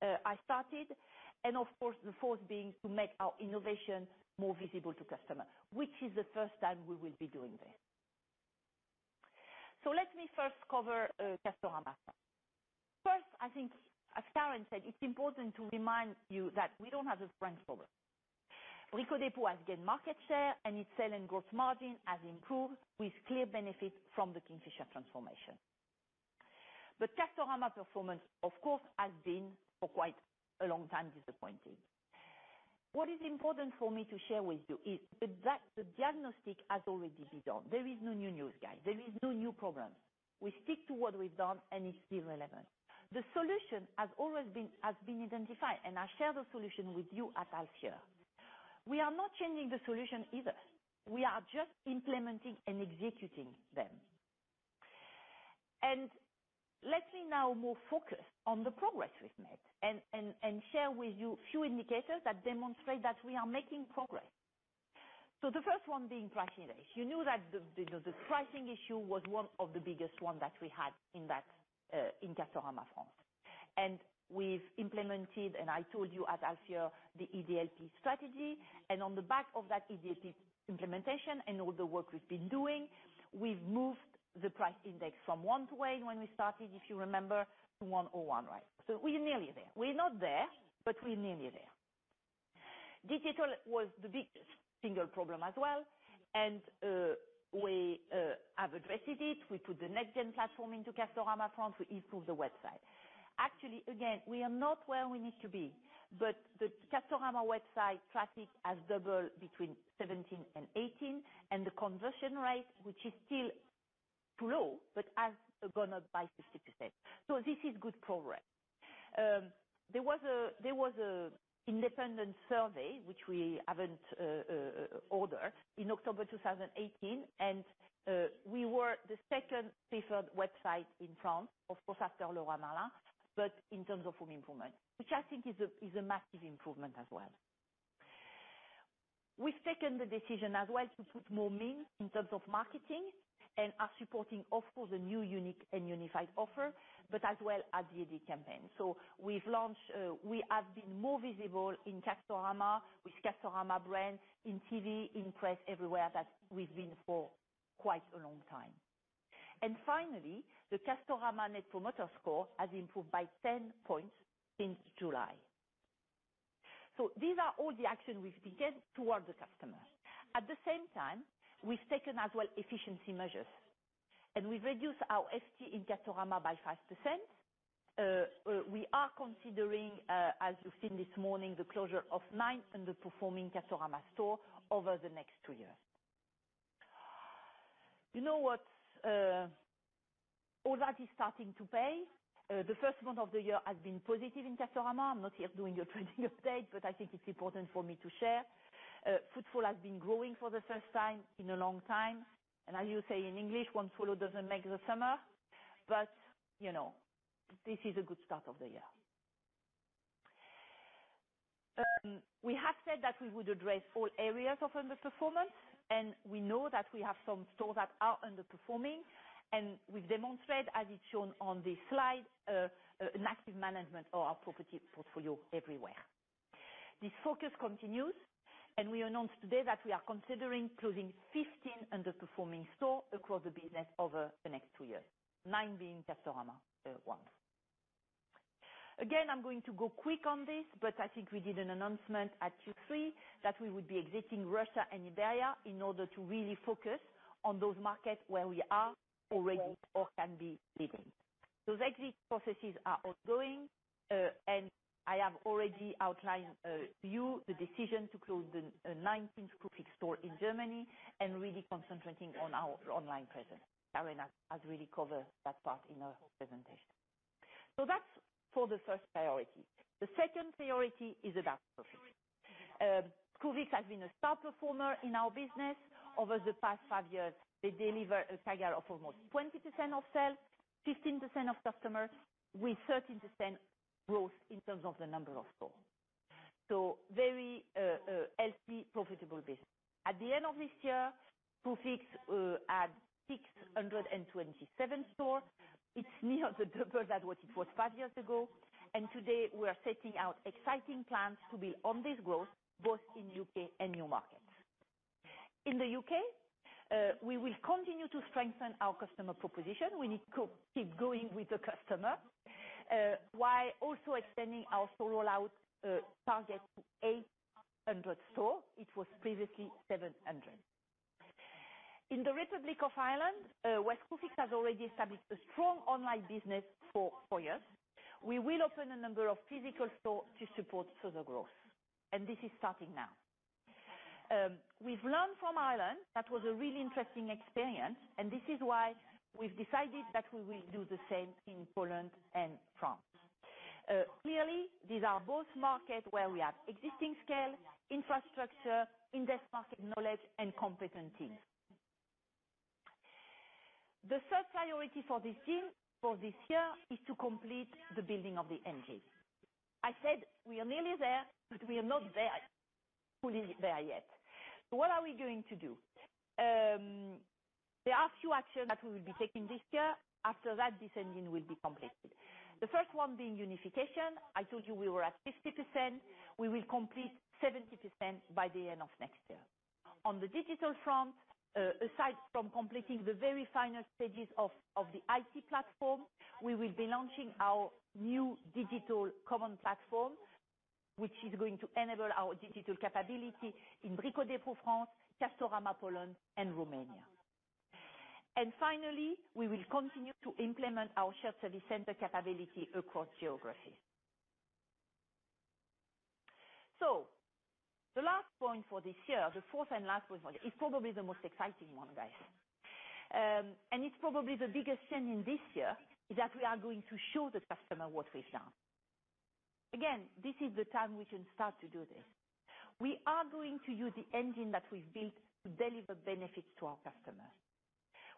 I started. Of course, the fourth being to make our innovation more visible to customer, which is the first time we will be doing this. Let me first cover Castorama. First, I think as Karen said, it's important to remind you that we don't have a France problem. Brico Dépôt has gained market share, and its selling gross margin has improved with clear benefit from the Kingfisher transformation. Castorama performance, of course, has been for quite a long time disappointing. What is important for me to share with you is that the diagnostic has already been done. There is no new news, guys. There is no new problem. We stick to what we've done, and it's still relevant. The solution has been identified, I share the solution with you at Alsea. We are not changing the solution either. We are just implementing and executing them. Let me now more focus on the progress we've made and share with you a few indicators that demonstrate that we are making progress. The first one being price index. You knew that the pricing issue was one of the biggest one that we had in Castorama France. We've implemented, I told you at Alsea, the EDLP strategy. On the back of that EDLP implementation and all the work we've been doing, we've moved the price index from 1.2 when we started, if you remember, to 1.01. We are nearly there. We're not there, but we're nearly there. Digital was the biggest single problem as well, we have addressed it. We put the Next Gen platform into Castorama France. We improved the website. Actually, again, we are not where we need to be, but the Castorama website traffic has doubled between 2017 and 2018, and the conversion rate, which is still too low, but has gone up by 50%. This is good progress. There was an independent survey, which we haven't ordered, in October 2018, we were the second preferred website in France, of course, after La Redoute, but in terms of home improvement, which I think is a massive improvement as well. We've taken the decision as well to put more means in terms of marketing and are supporting, of course, the new, Unique, and Unified offer, but as well, a D&D campaign. We have been more visible in Castorama with Castorama brands, in TV, in press, everywhere that we've been for quite a long time. Finally, the Castorama net promoter score has improved by 10 points since July. These are all the action we've taken towards the customer. At the same time, we've taken as well efficiency measures, we've reduced our FTE in Castorama by 5%. We are considering, as you've seen this morning, the closure of nine underperforming Castorama store over the next two years. All that is starting to pay. The first month of the year has been positive in Castorama. I'm not here doing your trading update, but I think it's important for me to share. Footfall has been growing for the first time in a long time. As you say in English, one swallow doesn't make the summer, this is a good start of the year. We have said that we would address all areas of underperformance, we know that we have some stores that are underperforming, and we've demonstrated, as it's shown on this slide, an active management of our property portfolio everywhere. This focus continues, we announced today that we are considering closing 15 underperforming stores across the business over the next two years, nine being Castorama ones. I'm going to go quick on this, I think we did an announcement at Q3 that we would be exiting Russia and Iberia in order to really focus on those markets where we are already or can be leading. Those exit processes are ongoing, I have already outlined you the decision to close the 19 Screwfix stores in Germany and really concentrating on our online presence. Karen has really covered that part in her presentation. That's for the first priority. The second priority is about profit. Screwfix has been a star performer in our business over the past five years. They deliver a CAGR of almost 20% of sales, 15% of customers, with 13% growth in terms of the number of stores. Very healthy, profitable business. At the end of this year, Screwfix had 627 stores. It's near the double that what it was five years ago. Today, we are setting out exciting plans to build on this growth, both in U.K. and new markets. In the U.K., we will continue to strengthen our customer proposition. We need to keep going with the customer, while also extending our store rollout target to 800 stores. It was previously 700. In the Republic of Ireland, where Screwfix has already established a strong online business for four years, we will open a number of physical stores to support further growth, this is starting now. We've learned from Ireland, that was a really interesting experience, this is why we've decided that we will do the same in Poland and France. These are both markets where we have existing scale, infrastructure, in-depth market knowledge, and competent teams. The third priority for this team for this year is to complete the building of the engine. I said we are nearly there, we are not fully there yet. What are we going to do? There are a few actions that we will be taking this year. After that, this engine will be completed. The first one being Unification. I told you we were at 50%. We will complete 70% by the end of next year. On the digital front, aside from completing the very final stages of the IT platform, we will be launching our new digital common platform, which is going to enable our digital capability in Brico Dépôt France, Castorama Poland, and Romania. Finally, we will continue to implement our shared service center capability across geographies. The last point for this year, the fourth and last point, is probably the most exciting one, guys. It's probably the biggest change in this year is that we are going to show the customer what we've done. This is the time we can start to do this. We are going to use the engine that we've built to deliver benefits to our customers.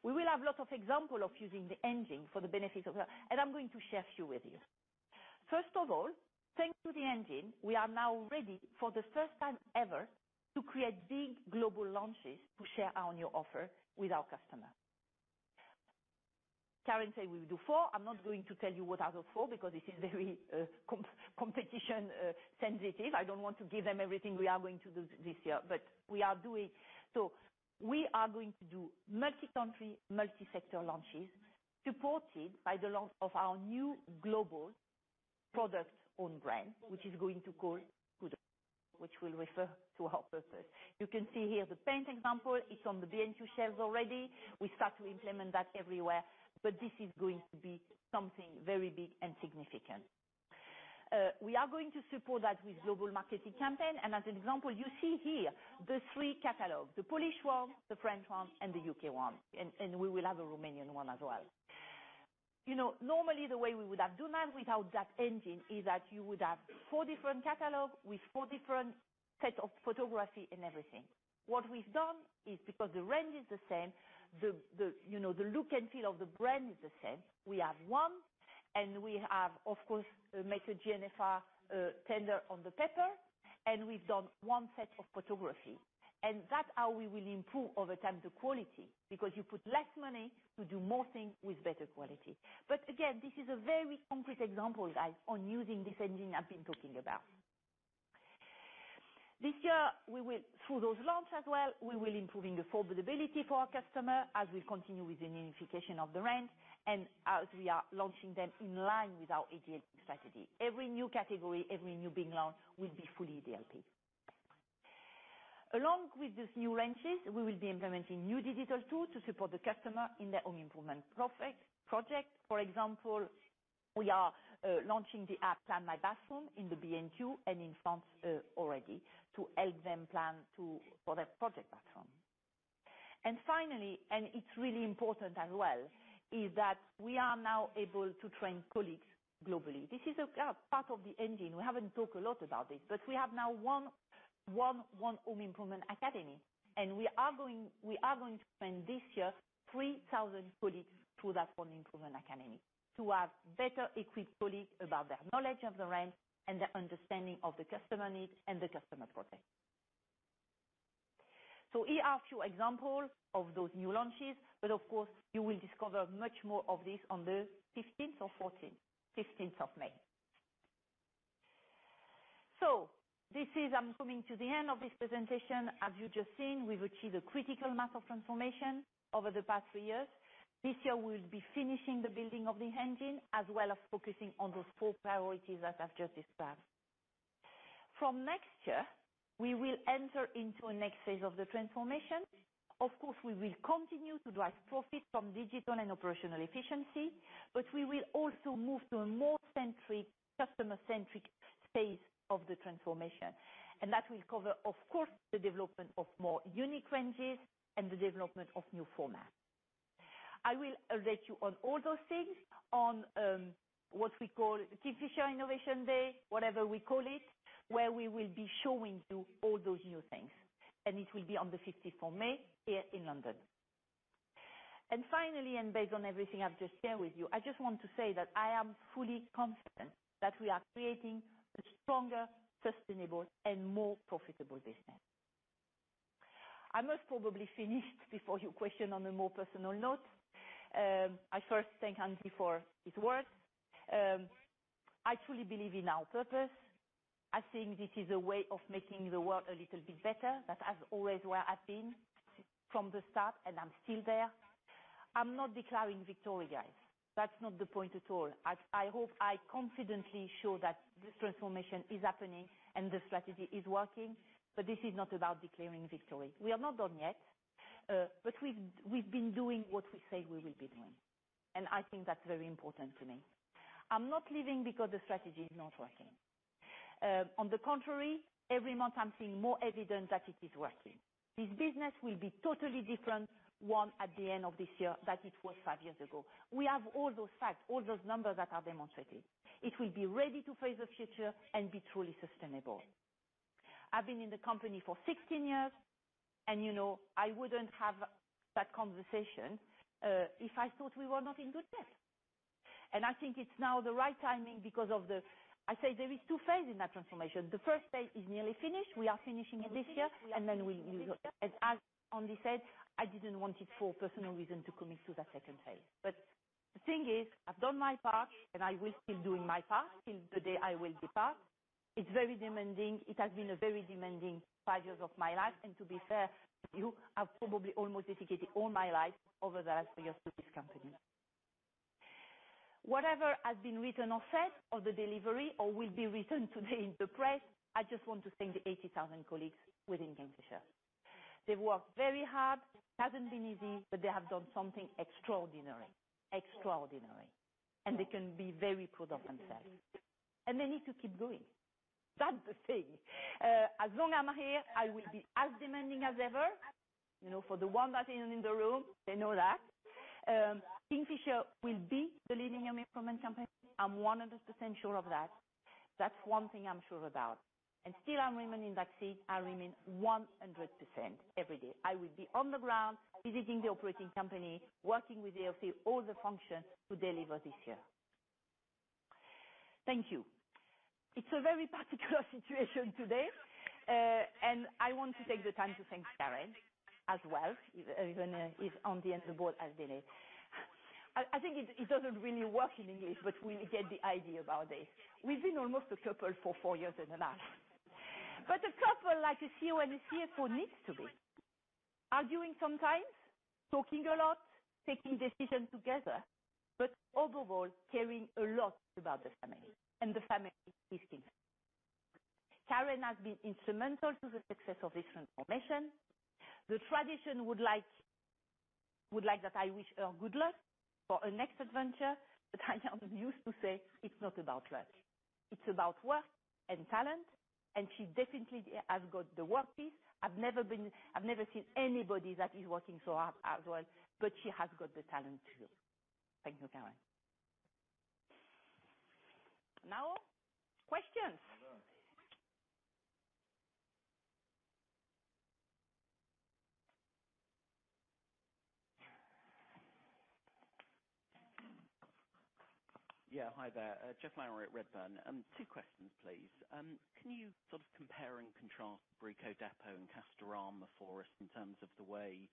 We will have lots of examples of using the engine for the benefit of that, and I'm going to share a few with you. Thanks to the engine, we are now ready, for the first time ever, to create big global launches to share our new offer with our customer. Karen said we'll do 4. I'm not going to tell you what are the 4 because this is very competition sensitive. I don't want to give them everything we are going to do this year. We are going to do multi-country, multi-sector launches supported by the launch of our new global product own brand, which is going to call GoodHome, which will refer to our purpose. You can see here the paint example. It's on the B&Q shelves already. We start to implement that everywhere. This is going to be something very big and significant. We are going to support that with global marketing campaigns. As an example, you see here the 3 catalogs, the Polish one, the French one, and the U.K. one, and we will have a Romanian one as well. Normally, the way we would have done that without that engine is that you would have 4 different catalogs with 4 different sets of photography and everything. What we've done is because the range is the same, the look and feel of the brand is the same, we have one, and we have, of course, method GNFR tender on the paper, and we've done one set of photography. That's how we will improve over time the quality, because you put less money to do more things with better quality. Again, this is a very concrete example, guys, on using this engine I've been talking about. This year, through those launches as well, we will improving the affordability for our customer as we continue with the unification of the range and as we are launching them in line with our EDLP strategy. Every new category, every new big launch will be fully EDLP. Along with these new ranges, we will be implementing new digital tools to support the customer in their home improvement project. For example, we are launching the app Plan My Bathroom in the B&Q and in France already to help them plan for their project bathroom. Finally, it's really important as well, is that we are now able to train colleagues globally. This is part of the engine. We haven't talked a lot about this, but we have now one GoodHome Academy, and we are going to train this year 3,000 colleagues through that GoodHome Academy to have better equipped colleagues about their knowledge of the range and their understanding of the customer needs and the customer project. Here are a few examples of those new launches, but of course, you will discover much more of this on the 15th or 14th? 15th of May. I'm coming to the end of this presentation. As you've just seen, we've achieved a critical mass of transformation over the past three years. This year, we'll be finishing the building of the engine, as well as focusing on those four priorities that I've just described. From next year, we will enter into a next phase of the transformation. Of course, we will continue to drive profit from digital and operational efficiency, but we will also move to a more customer-centric phase of the transformation. That will cover, of course, the development of more Unique ranges and the development of new formats. I will update you on all those things on what we call Kingfisher Innovation Day, whatever we call it, where we will be showing you all those new things, and it will be on the 15th of May here in London. Finally, based on everything I've just shared with you, I just want to say that I am fully confident that we are creating a stronger, sustainable, and more profitable business. I must probably finish before your question on a more personal note. I first thank Andy for his words. I truly believe in our purpose. I think this is a way of making the world a little bit better. That has always where I've been from the start, and I'm still there. I'm not declaring victory, guys. That's not the point at all. I hope I confidently show that this transformation is happening and the strategy is working, this is not about declaring victory. We are not done yet, we've been doing what we say we will be doing, and I think that's very important to me. I'm not leaving because the strategy is not working. On the contrary, every month I'm seeing more evidence that it is working. This business will be totally different one at the end of this year than it was five years ago. We have all those facts, all those numbers that are demonstrated. It will be ready to face the future and be truly sustainable. I've been in the company for 16 years, and I wouldn't have that conversation if I thought we were not in good shape. I think it's now the right timing because of. I say there is 2 phases in that transformation. The phase 1 is nearly finished. We are finishing it this year, then as Andy said, I didn't want it for personal reason to commit to that phase 2. The thing is, I've done my part and I will keep doing my part till the day I will depart. It's very demanding. It has been a very demanding five years of my life, and to be fair, you have probably almost dedicated all my life over the last three years to this company. Whatever has been written or said of the delivery or will be written today in the press, I just want to thank the 80,000 colleagues within Kingfisher. They've worked very hard, hasn't been easy, they have done something extraordinary. Extraordinary. They can be very proud of themselves. They need to keep going. That's the thing. As long I'm here, I will be as demanding as ever. For the ones that are in the room, they know that. Kingfisher will be the leading home improvement company. I'm 100% sure of that. That's one thing I'm sure about. Still I remain in that seat, I remain 100% every day. I will be on the ground visiting the operating company, working with the AOF, all the functions to deliver this year. Thank you. It's a very particular situation today, and I want to take the time to thank Karen as well, even if on the end of the board as it is. I think it doesn't really work in English, but we get the idea about this. We've been almost a couple for four years and a half. A couple, like a CEO and a CFO needs to be. Arguing sometimes, talking a lot, taking decisions together, but overall, caring a lot about this family and the family business. Karen has been instrumental to the success of this transformation. The tradition would like that I wish her good luck for her next adventure, but I now used to say, it's not about luck. It's about work and talent, she definitely has got the work piece. I've never seen anybody that is working so hard as well, she has got the talent too. Thank you, Karen. Now, questions. Well done. Yeah. Hi there. Geoff Lowery at Redburn. Two questions, please. Can you sort of compare and contrast Brico Dépôt and Castorama for us in terms of the way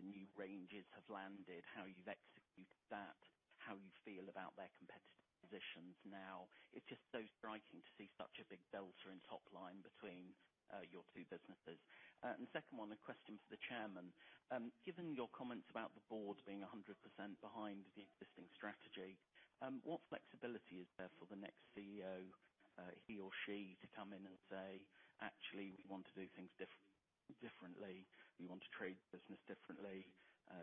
the new ranges have landed, how you've executed that, how you feel about their competitive positions now? It's just so striking to see such a big delta in top line between your two businesses. Second one, a question for the chairman. Given your comments about the board being 100% behind the existing strategy, what flexibility is there for the next CEO, he or she, to come in and say, "Actually, we want to do things differently. We want to trade the business differently.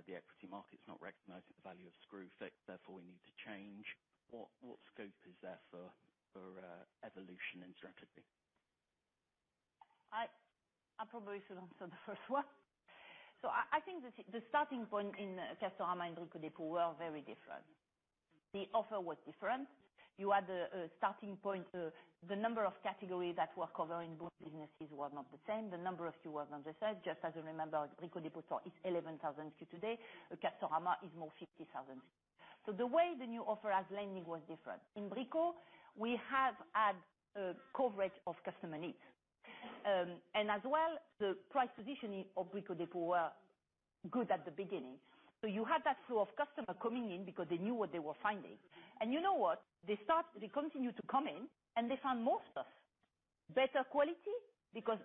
The equity market's not recognizing the value of Screwfix, therefore, we need to change." What scope is there for evolution in strategy? I probably should answer the first one. I think the starting point in Castorama and Brico Dépôt were very different. The offer was different. You had the starting point, the number of categories that were covered in both businesses was not the same. The number of SKUs was not the same. Just as you remember, Brico Dépôt is 11,000 SKUs today. Castorama is more 50,000 SKUs. The way the new offer as landing was different. In Brico, we have had a coverage of customer needs. As well, the price positioning of Brico Dépôt were good at the beginning. You had that flow of customer coming in because they knew what they were finding. And you know what? They continue to come in, and they found more stuff, better quality. Because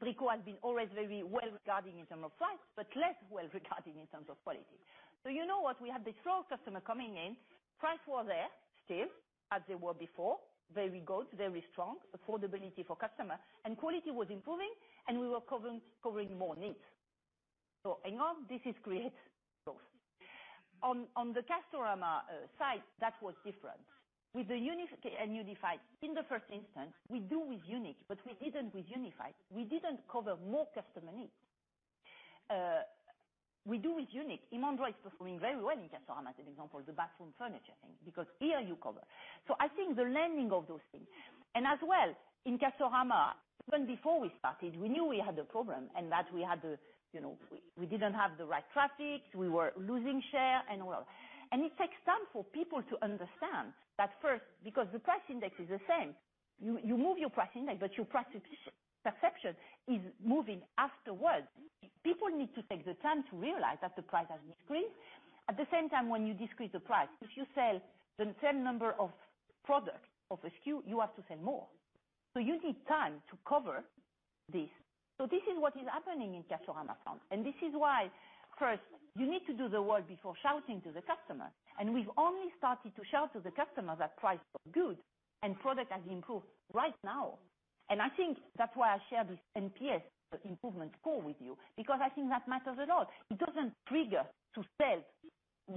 Brico has been always very well regarded in terms of price, but less well regarded in terms of quality. You know what? We had this flow of customer coming in, price was there still, as they were before, very good, very strong affordability for customer, and quality was improving, and we were covering more needs. In all, this has created both. On the Castorama side, that was different. With the Unique and Unified, in the first instance, we do with Unique, but we didn't with Unified. We didn't cover more customer needs. We do with Unique. Imandra is performing very well in Castorama, as an example, the bathroom furniture thing, because here you cover. I think the learning of those things, as well, in Castorama, even before we started, we knew we had a problem and that we didn't have the right traffic, we were losing share and well. It takes time for people to understand that first, because the price index is the same. You move your price index, but your price perception is moving afterwards. People need to take the time to realize that the price has decreased. At the same time, when you decrease the price, if you sell the same number of product, of SKU, you have to sell more. You need time to cover this. This is what is happening in Castorama France. This is why, first, you need to do the work before shouting to the customer. We've only started to shout to the customer that price was good and product has improved right now. I think that's why I shared this NPS improvement score with you, because I think that matters a lot. It doesn't trigger to sell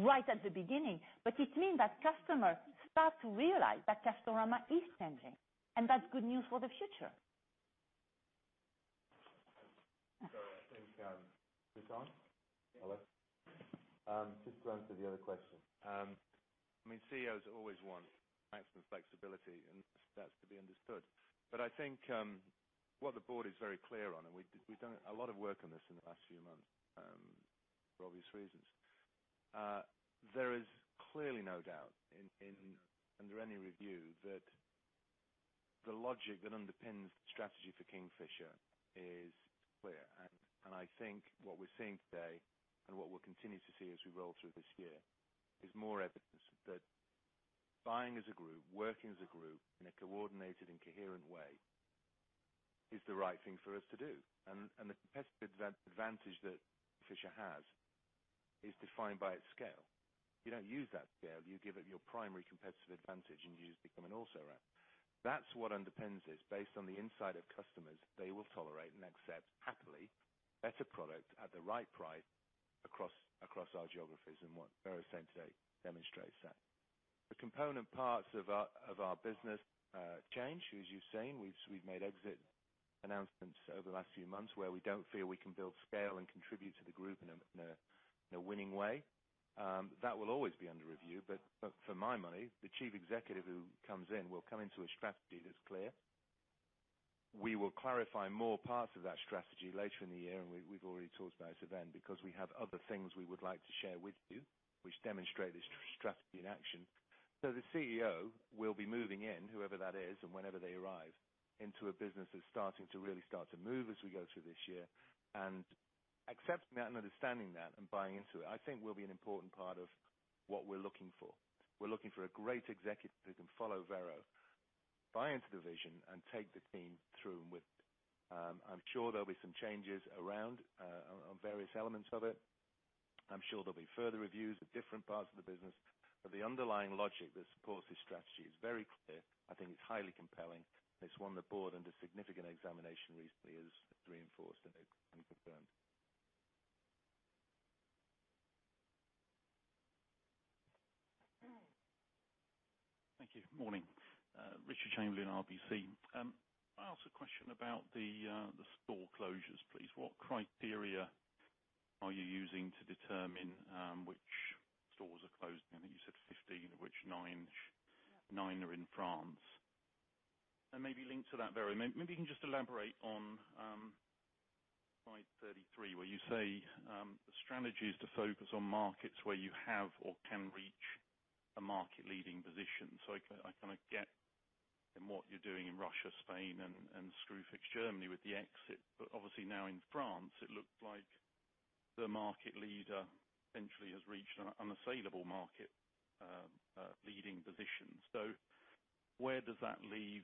right at the beginning, but it means that customers start to realize that Castorama is changing, and that's good news for the future. I think, is this on? Hello? Just to answer the other question. CEOs always want maximum flexibility, and that's to be understood. I think what the board is very clear on, and we've done a lot of work on this in the last few months, for obvious reasons. There is clearly no doubt under any review that the logic that underpins the strategy for Kingfisher is clear. I think what we're seeing today and what we'll continue to see as we roll through this year is more evidence that buying as a group, working as a group in a coordinated and coherent way is the right thing for us to do. The competitive advantage that Kingfisher has is defined by its scale. You don't use that scale, you give it your primary competitive advantage and you just become an also-ran. That's what underpins this. Based on the insight of customers, they will tolerate and accept happily better product at the right price across our geographies and what Vero said today demonstrates that. The component parts of our business change. As you've seen, we've made exit announcements over the last few months where we don't feel we can build scale and contribute to the group in a winning way. That will always be under review, but for my money, the Chief Executive who comes in will come into a strategy that's clear. We will clarify more parts of that strategy later in the year, we've already talked about it today because we have other things we would like to share with you which demonstrate this strategy in action. The CEO will be moving in, whoever that is and whenever they arrive, into a business that's starting to really start to move as we go through this year. Accepting that and understanding that and buying into it, I think will be an important part of what we're looking for. We're looking for a great executive who can follow Vero, buy into the vision and take the team through with. I'm sure there'll be some changes around on various elements of it. I'm sure there'll be further reviews of different parts of the business. The underlying logic that supports this strategy is very clear. I think it's highly compelling. It's one the board under significant examination recently has reinforced and confirmed. Thank you. Morning. Richard Chamberlain, RBC. Can I ask a question about the store closures, please? What criteria are you using to determine which stores are closing? I think you said 15, of which nine are in France. Maybe linked to that, Vero, maybe you can just elaborate on slide 33, where you say the strategy is to focus on markets where you have or can reach a market-leading position. I kind of get in what you're doing in Russia, Spain, and Screwfix Germany with the exit. Obviously now in France, it looks like the market leader eventually has reached an unassailable market leading position. Where does that leave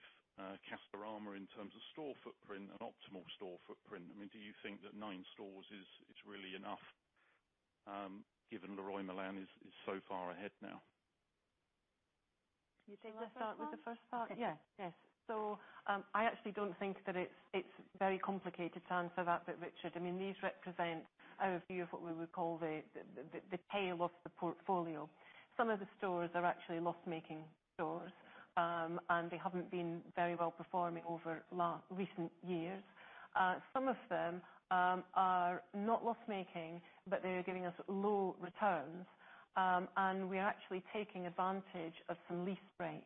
Castorama in terms of store footprint and optimal store footprint? Do you think that nine stores is really enough, given Leroy Merlin is so far ahead now? You think we start with the first part? Yes. Okay, yes. I actually don't think that it's very complicated to answer that bit, Richard. These represent our view of what we would call the tail of the portfolio. Some of the stores are actually loss-making stores, and they haven't been very well-performing over recent years. Some of them are not loss-making, but they are giving us low returns, and we are actually taking advantage of some lease breaks.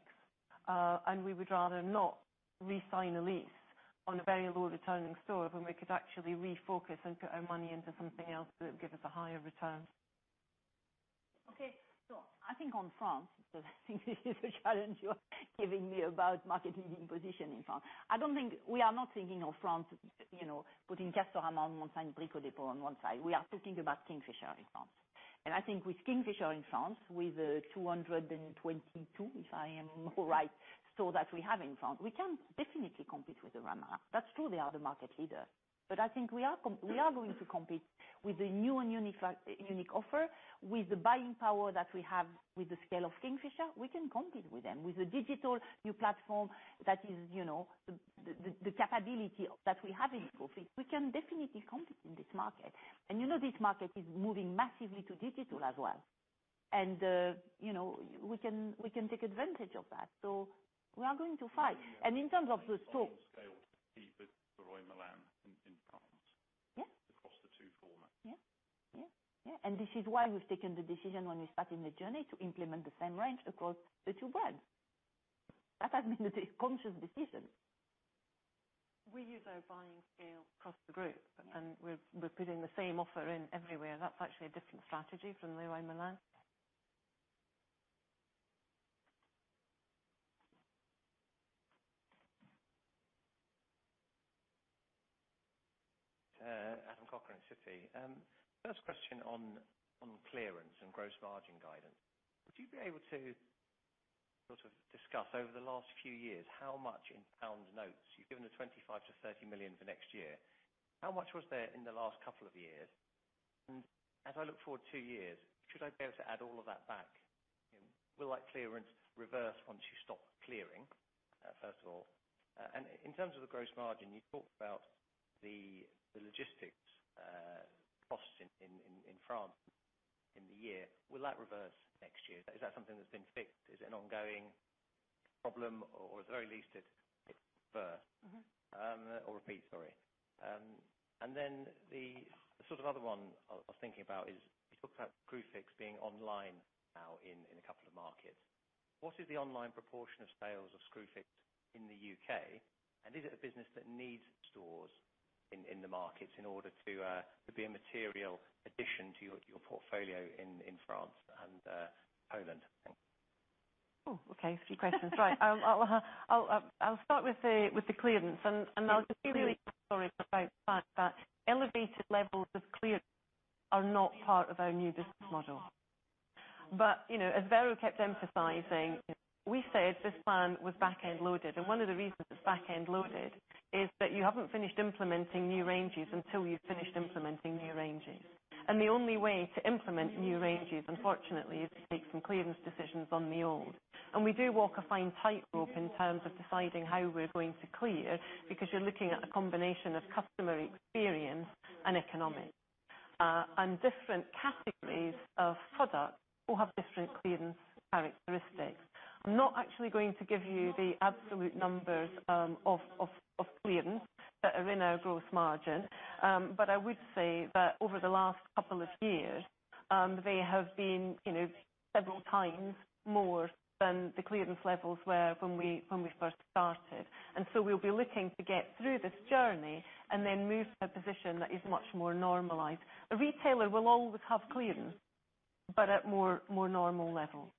We would rather not re-sign a lease on a very low returning store when we could actually refocus and put our money into something else that would give us a higher return. Okay. I think on France, because I think this is the challenge you are giving me about market leading position in France. We are not thinking of France. You know, putting Castorama on one side and Brico Dépôt on one side. We are talking about Kingfisher in France. I think with Kingfisher in France, with 222, if I am right, stores that we have in France, we can definitely compete with the runner-up. That's true, they are the market leader. I think we are going to compete with a new and unique offer, with the buying power that we have with the scale of Kingfisher, we can compete with them. With a digital new platform that is the capability that we have in Screwfix, we can definitely compete in this market. You know, this market is moving massively to digital as well. We can take advantage of that. We are going to fight. In terms of the store- Scale to compete with Leroy Merlin in France. Yeah. Across the two formats. Yeah. This is why we've taken the decision when we started the journey to implement the same range across the two brands. That has been a conscious decision. We use our buying scale across the group. Yeah. We're putting the same offer in everywhere. That's actually a different strategy from Leroy Merlin. Adam Cochrane, Citi. First question on clearance and gross margin guidance. Would you be able to sort of discuss over the last few years how much in pound notes, you've given us 25 million-30 million for next year, how much was there in the last couple of years? As I look forward two years, should I be able to add all of that back? Will that clearance reverse once you stop clearing, first of all? In terms of the gross margin, you talked about the logistics costs in France in the year. Will that reverse next year? Is that something that's been fixed? Is it an ongoing problem, or at the very least it differs? Or repeat, sorry. The sort of other one I was thinking about is you talked about Screwfix being online now in a couple of markets. What is the online proportion of sales of Screwfix in the U.K.? Is it a business that needs stores in the markets in order to be a material addition to your portfolio in France and Poland? Thanks. Oh, okay. A few questions. Right. I'll start with the clearance and- Yeah, please I'll just be really transparent about the fact that elevated levels of clearance are not part of our new business model. As Vero kept emphasizing, we said this plan was back-end loaded. One of the reasons it's back-end loaded is that you haven't finished implementing new ranges until you've finished implementing new ranges. The only way to implement new ranges, unfortunately, is to take some clearance decisions on the old. We do walk a fine tightrope in terms of deciding how we're going to clear, because you're looking at a combination of customer experience and economics. Different categories of products all have different clearance characteristics. I'm not actually going to give you the absolute numbers of clearance that are in our gross margin. I would say that over the last couple of years, they have been several times more than the clearance levels were when we first started. We'll be looking to get through this journey and then move to a position that is much more normalized. A retailer will always have clearance, but at more normal levels.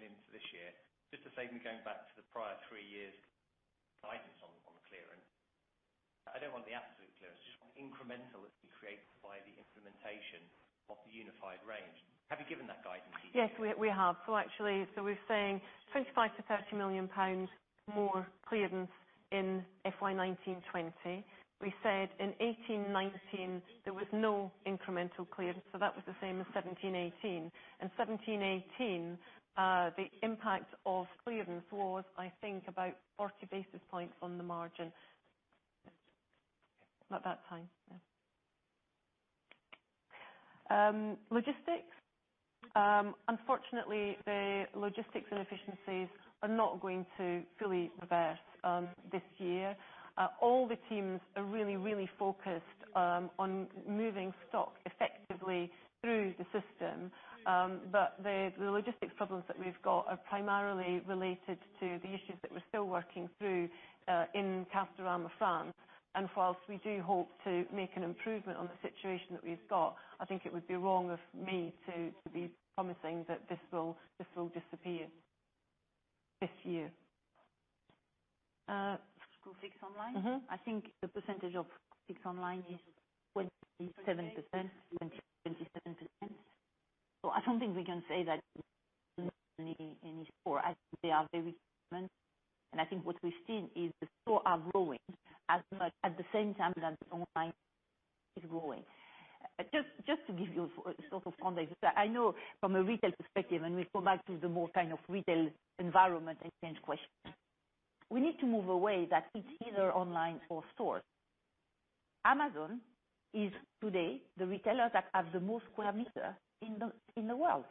You've given the sort of 25 million-30 million for this year. Just to save me going back to the prior three years' guidance on clearance, I don't want the absolute clearance, I just want incremental that's been created by the implementation of the Unified range. Have you given that guidance previously? Yes, we have. We're saying 25 million-30 million pounds more clearance in FY 2019-2020. We said in 2018-2019, there was no incremental clearance, so that was the same as 2017-2018. In 2017-2018, the impact of clearance was, I think, about 40 basis points on the margin. At that time. Unfortunately, the logistics and efficiencies are not going to fully reverse this year. All the teams are really, really focused on moving stock effectively through the system. The logistics problems that we've got are primarily related to the issues that we're still working through in Castorama France. Whilst we do hope to make an improvement on the situation that we've got, I think it would be wrong of me to be promising that this will disappear this year. Screwfix online. I think the percentage of Fix online is 27%, 20%-27%. I don't think we can say that any store. I think they are very different. I think what we've seen is the store are growing as much at the same time that online is growing. Just to give you sort of context, I know from a retail perspective, we come back to the more kind of retail environment and change question. We need to move away that it's either online or stores. Amazon is today the retailer that have the most square meter in the world.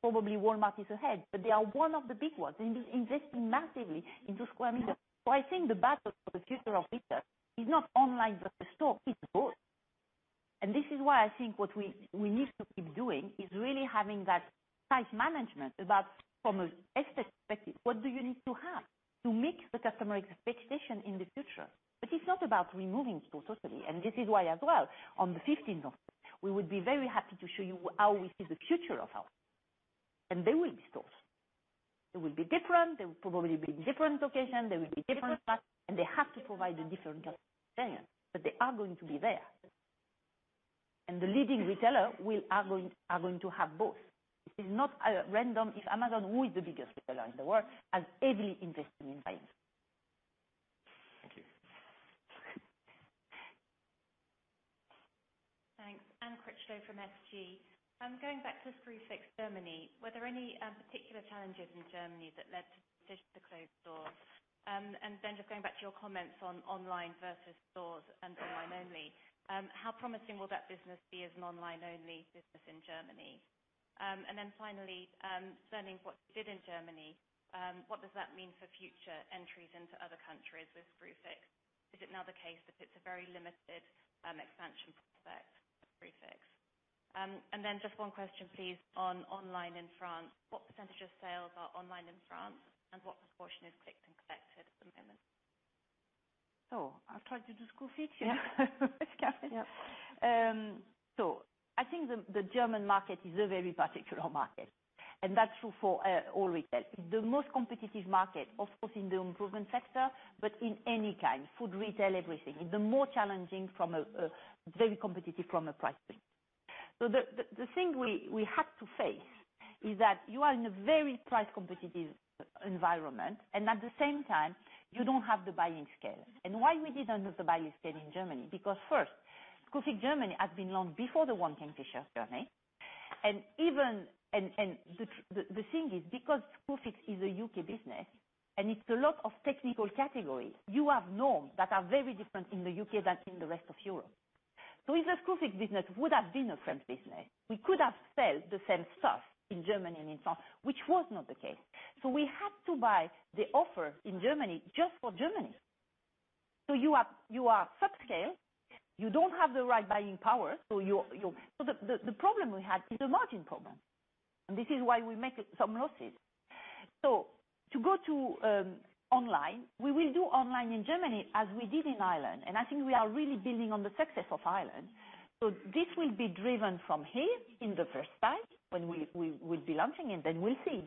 Probably Walmart is ahead, but they are one of the big ones, investing massively into square meters. I think the battle for the future of retail is not online versus store, it's both. This is why I think what we need to keep doing is really having that tight management about from a tech perspective, what do you need to have to meet the customer expectation in the future? It's not about removing stores totally, this is why as well, on the 15th of May, we would be very happy to show you how we see the future of our. They will be stores. They will be different. They will probably be different location, they will be different size, and they have to provide a different customer experience. They are going to be there. The leading retailer are going to have both. This is not random. Amazon, who is the biggest retailer in the world, has heavily invested in Prime. Thanks. Anne Critchlow from SG. Just going back to Screwfix Germany, were there any particular challenges in Germany that led to the decision to close stores? Just going back to your comments on online versus stores and online only, how promising will that business be as an online-only business in Germany? Finally, learning what you did in Germany, what does that mean for future entries into other countries with Screwfix? Is it now the case that it's a very limited expansion prospect for Screwfix? Just one question, please, on online in France. What percentage of sales are online in France, and what proportion is click and collect at the moment? I'll try to do Screwfix. It's certain. Yeah. I think the German market is a very particular market, and that's true for all retail. The most competitive market, of course, in the improvement sector, but in any kind, food retail, everything. It's the more challenging, very competitive from a price point. The thing we had to face is that you are in a very price competitive environment and at the same time you don't have the buying scale. Why we didn't have the buying scale in Germany, because first, Screwfix Germany has been long before the Kingfisher journey. The thing is, because Screwfix is a U.K. business and it's a lot of technical categories, you have norms that are very different in the U.K. than in the rest of Europe. If the Screwfix business would have been a France business, we could have sold the same stuff in Germany and in France, which was not the case. We had to buy the offer in Germany just for Germany. You are subscale, you don't have the right buying power. The problem we had is a margin problem, and this is why we make some losses. To go to online, we will do online in Germany as we did in Ireland, and I think we are really building on the success of Ireland. This will be driven from here in the first phase when we will be launching and then we'll see.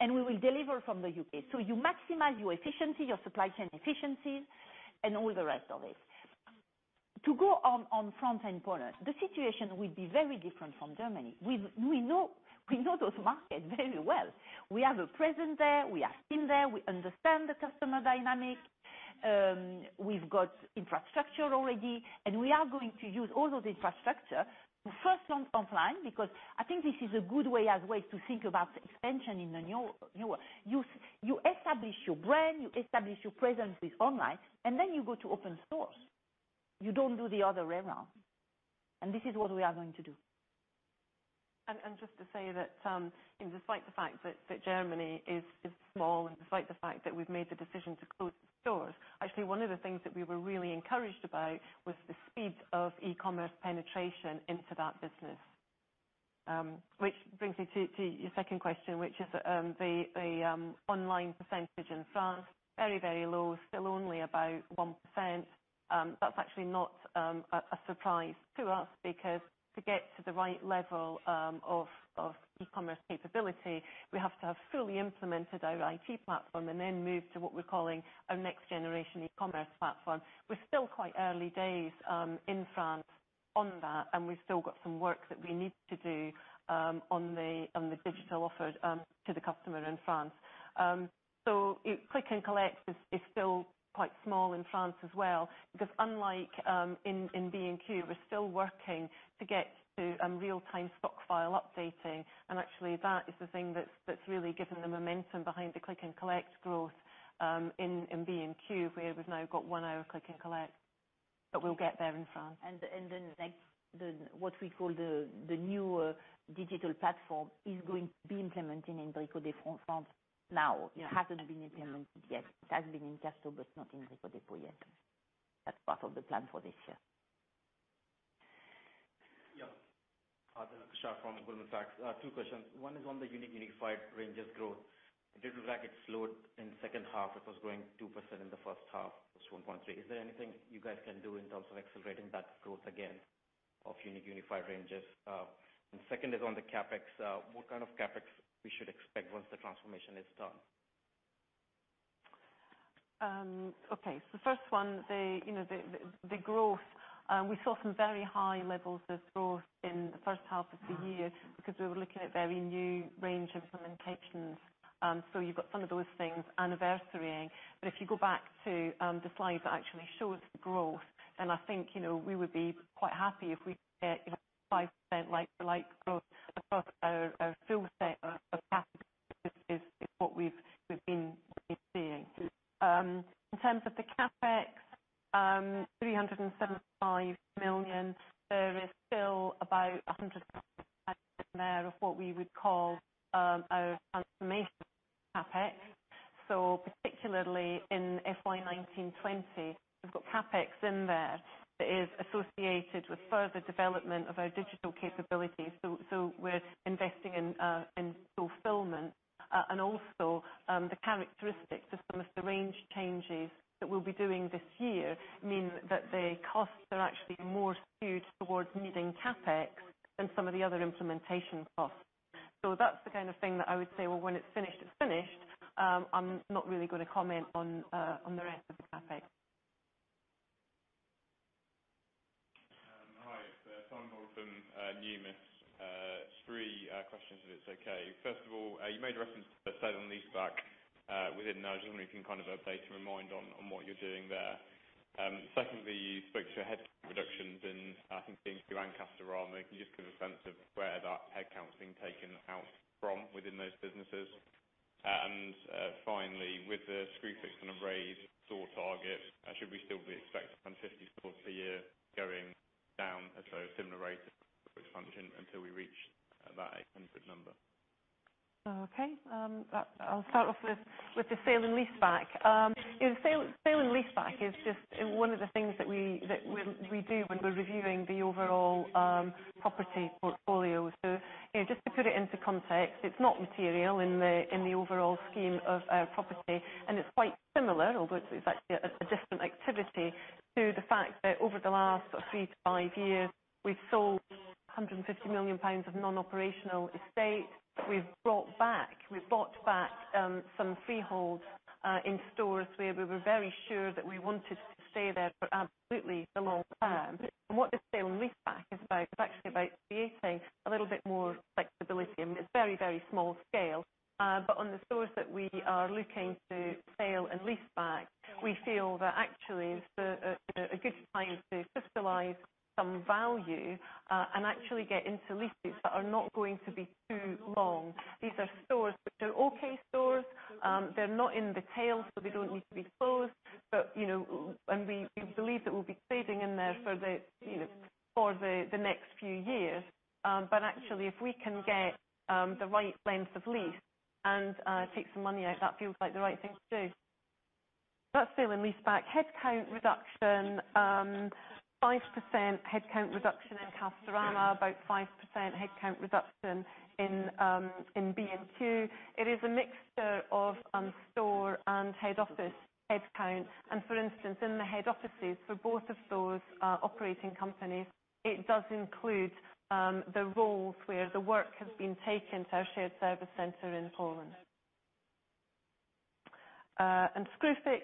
We will deliver from the U.K. You maximize your efficiency, your supply chain efficiencies, and all the rest of it. To go on France and Poland, the situation will be very different from Germany. We know those markets very well. We have a presence there. We have been there. We understand the customer dynamic. We've got infrastructure already, and we are going to use all of the infrastructure to first launch online, because I think this is a good way as ways to think about expansion in the new world. You establish your brand, you establish your presence with online, and then you go to open stores. You don't do the other way around. This is what we are going to do. Just to say that despite the fact that Germany is small and despite the fact that we've made the decision to close the stores, actually one of the things that we were really encouraged about was the speed of e-commerce penetration into that business. Which brings me to your second question, which is the online percentage in France, very, very low, still only about 1%. That's actually not a surprise to us because to get to the right level of e-commerce capability, we have to have fully implemented our IT platform and then move to what we're calling our Next Generation e-commerce platform. We're still quite early days in France on that, and we've still got some work that we need to do on the digital offers to the customer in France. click and collect is still quite small in France as well because unlike in B&Q, we're still working to get to real-time stock file updating and actually that is the thing that's really given the momentum behind the click and collect growth in B&Q, where we've now got one-hour click and collect. We'll get there in France. What we call the new digital platform is going to be implemented in Brico Dépôt France now. It hasn't been implemented yet. It has been in Castorama, but not in Brico Dépôt yet. That's part of the plan for this year. Yeah. Akshar from Goldman Sachs. Two questions. One is on the Unique Unified ranges growth. It didn't look like it slowed in the second half. It was growing 2% in the first half, versus 1.3%. Is there anything you guys can do in terms of accelerating that growth again of Unique Unified ranges? Second is on the CapEx. What kind of CapEx we should expect once the transformation is done? Okay. The first one, the growth. We saw some very high levels of growth in the first half of the year because we were looking at very new range implementations. You've got some of those things anniversarying. If you go back to the slide that actually shows the growth, and I think we would be quite happy if we get 5% like-for-like growth across our full set of categories is what we've been seeing. In terms of the CapEx, 375 million, there is still about 100 million there of what we would call our transformation CapEx. Particularly in FY 2019-2020, we've got CapEx in there that is associated with further development of our digital capabilities. We're investing in fulfillment. And also the characteristics of some of the range changes that we'll be doing this year mean that the costs are actually more skewed towards needing CapEx than some of the other implementation costs. That's the kind of thing that I would say, well, when it's finished, it's finished. I'm not really going to comment on the rest of the CapEx. Hi, Simon Wolf from Numis. Three questions, if it's okay. First of all, you made a reference to sale and lease back within. I was wondering if you can update or remind on what you're doing there. Secondly, you spoke to headcount reductions in, I think, B&Q and Castorama. Can you just give a sense of where that headcount's being taken out from within those businesses? And finally, with the Screwfix and the raised store target, should we still be expecting 50 stores per year going down at a similar rate of expansion until we reach that 800 number? Okay. I'll start off with the sale and lease back. Sale and lease back is just one of the things that we do when we're reviewing the overall property portfolio. Just to put it into context, it's not material in the overall scheme of our property, and it's quite similar, although it's actually a different activity to the fact that over the last three to five years, we've sold 150 million pounds of non-operational estate. We've brought back some freehold in stores where we were very sure that we wanted to stay there for absolutely the long term. What the sale and lease back is about, is actually about creating a little bit more flexibility. I mean, it's very small scale. On the stores that we are looking to sale and leaseback, we feel that actually it's a good time to crystallize some value and actually get into leases that are not going to be too long. These are stores that are okay stores. They're not in the tail, so they don't need to be closed, and we believe that we'll be trading in there for the next few years. Actually, if we can get the right length of lease and take some money out, that feels like the right thing to do. That's sale and leaseback. Headcount reduction, 5% headcount reduction in Castorama, about 5% headcount reduction in B&Q. It is a mixture of store and head office headcounts. For instance, in the head offices for both of those operating companies, it does include the roles where the work has been taken to our shared service center in Poland. Screwfix,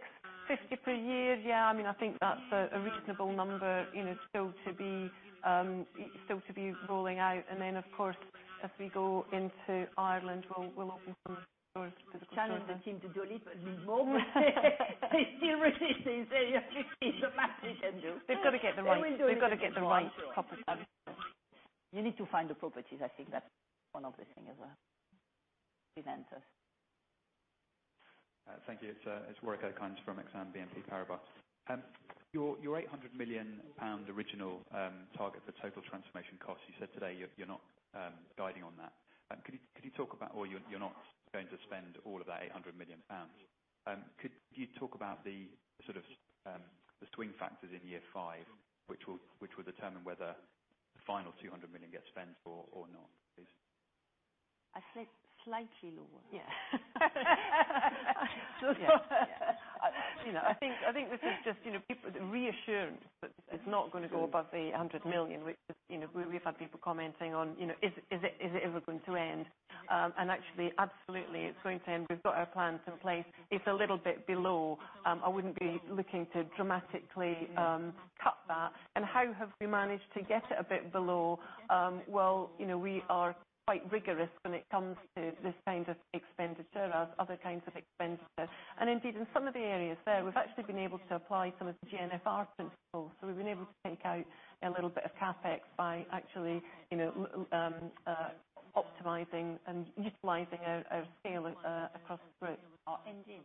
50 per year. I think that's a reasonable number still to be rolling out. Of course, as we go into Ireland, we'll open some stores. Challenge the team to do a little bit more. They're still resisting saying you have to do the magic. We've got to get the right- We'll do it. We've got to get the right properties. You need to find the properties. I think that's one of the things as well. Presenters. Thank you. It's Warwick Okines from Exane BNP Paribas. Your 800 million pound original target for total transformation costs, you said today, you're not guiding on that. Or you're not going to spend all of that 800 million pounds. Could you talk about the swing factors in year five, which will determine whether the final 200 million gets spent or not, please? I said slightly lower. Yeah. I think this is just reassurance that it's not going to go above the 800 million. We've had people commenting on, is it ever going to end? Actually, absolutely, it's going to end. We've got our plans in place. It's a little bit below. I wouldn't be looking to dramatically cut that. How have we managed to get it a bit below? Well, we are quite rigorous when it comes to this kind of expenditure as other kinds of expenditure. Indeed, in some of the areas there, we've actually been able to apply some of the GNFR principles. We've been able to take out a little bit of CapEx by actually optimizing and utilizing our scale across group. Our engine.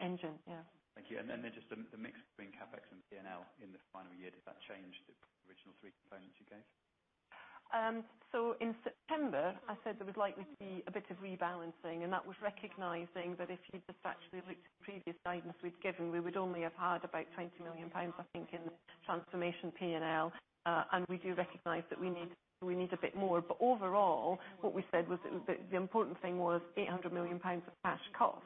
Engine, yeah. Thank you. Just the mix between CapEx and P&L in this final year. Did that change the original three components you gave? In September, I said there was likely to be a bit of rebalancing, and that was recognizing that if you just actually looked at previous guidance we'd given, we would only have had about 20 million pounds, I think, in transformation P&L. We do recognize that we need a bit more. Overall, what we said was the important thing was 800 million pounds of cash cost,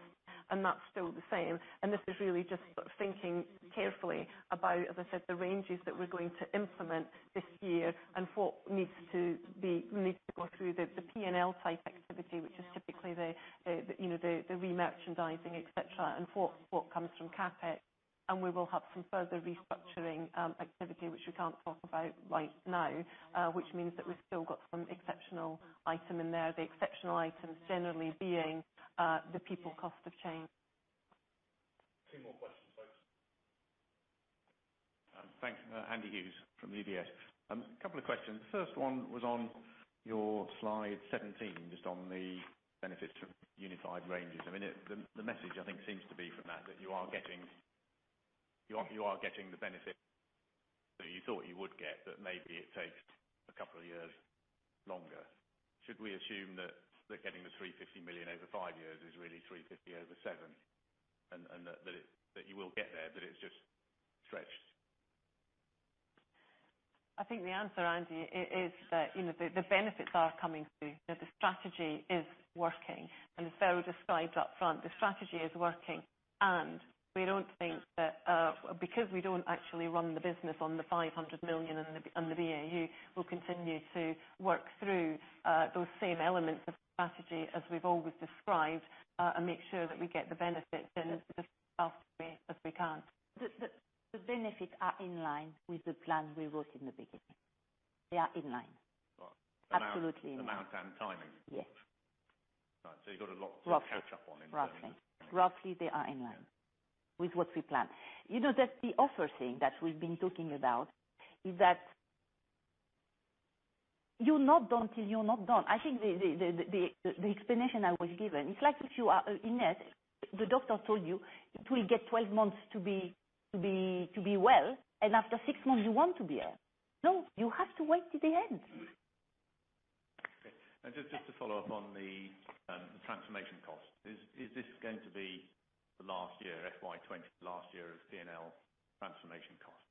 and that's still the same. This is really just thinking carefully about, as I said, the ranges that we're going to implement this year and what needs to go through the P&L type activity, which is typically the merchandising, et cetera, and what comes from CapEx. We will have some further restructuring activity, which we can't talk about right now, which means that we've still got some exceptional item in there. The exceptional items generally being the people cost of change. Two more questions, folks. Thanks. Andy Hughes from UBS. A couple of questions. First one was on your slide 17, just on the benefits of Unified ranges. The message I think seems to be from that you are getting the benefit that you thought you would get, but maybe it takes a couple of years longer. Should we assume that getting the 350 million over five years is really 350 over seven, and that you will get there, but it's just stretched? I think the answer, Andy, is that the benefits are coming through. That the strategy is working. Described up front, the strategy is working, because we don't actually run the business on the 500 million and the BAU, we'll continue to work through those same elements of the strategy as we've always described, and make sure that we get the benefits as fast as we can. The benefits are in line with the plan we wrote in the beginning. They are in line. Right. Absolutely in line. Amount and timing. Yes. You've got a lot to catch up on then. Roughly they are in line with what we planned. That's the offer thing that we've been talking about is that you're not done till you're not done. I think the explanation I was given, it's like if you are in it, the doctor told you it will get 12 months to be well, and after six months you want to be well. You have to wait till the end. Just to follow up on the transformation cost. Is this going to be the last year, FY 2020, the last year of P&L transformation cost?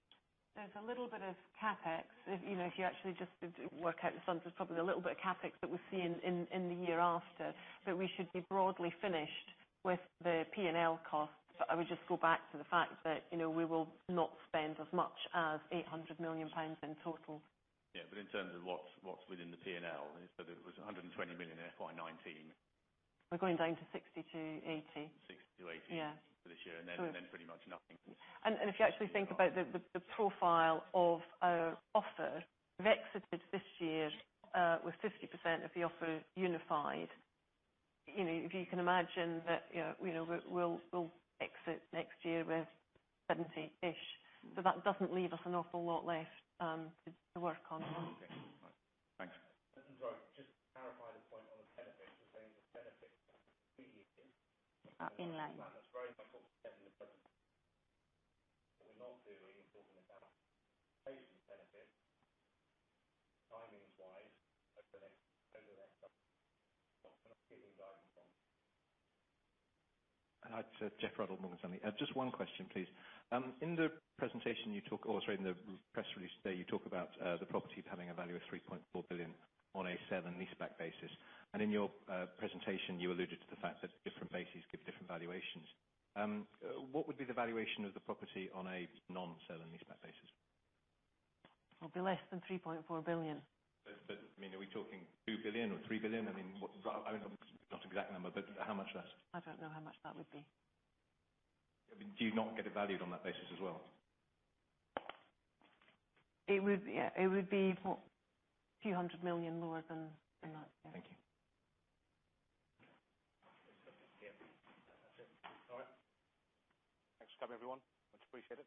There's a little bit of CapEx. If you actually just work out the sums, there's probably a little bit of CapEx that we see in the year after, we should be broadly finished with the P&L costs. I would just go back to the fact that we will not spend as much as 800 million pounds in total. Yeah. In terms of what's within the P&L, so there was 120 million in FY 2019. We're going down to 60-80. 60-80. Yeah. For this year, and then pretty much nothing. If you actually think about the profile of our offer, we've exited this year with 50% of the offer Unified. If you can imagine that we'll exit next year with 70-ish. That doesn't leave us an awful lot left to work on. Okay. All right. Thanks. Sorry, just to clarify the point on the benefits. You're saying the benefits are completed. Are in line. That's very much what we said in the presentation. What we're not doing is talking about saving benefits timings wise over the next couple of years. We're not giving guidance on that. Hi, it's Jeff Rattle, Morgan Stanley. Just one question, please. In the presentation you talk in the press release today, you talk about the property having a value of 3.4 billion on a sale and leaseback basis. In your presentation, you alluded to the fact that different bases give different valuations. What would be the valuation of the property on a non-sale and leaseback basis? It'll be less than 3.4 billion. Are we talking 2 billion or 3 billion? I mean, I know it's not an exact number, but how much less? I don't know how much that would be. Do you not get it valued on that basis as well? It would be GBP a few 100 million lower than that, yeah. Thank you. That's it. All right. Thanks for coming, everyone. Much appreciated.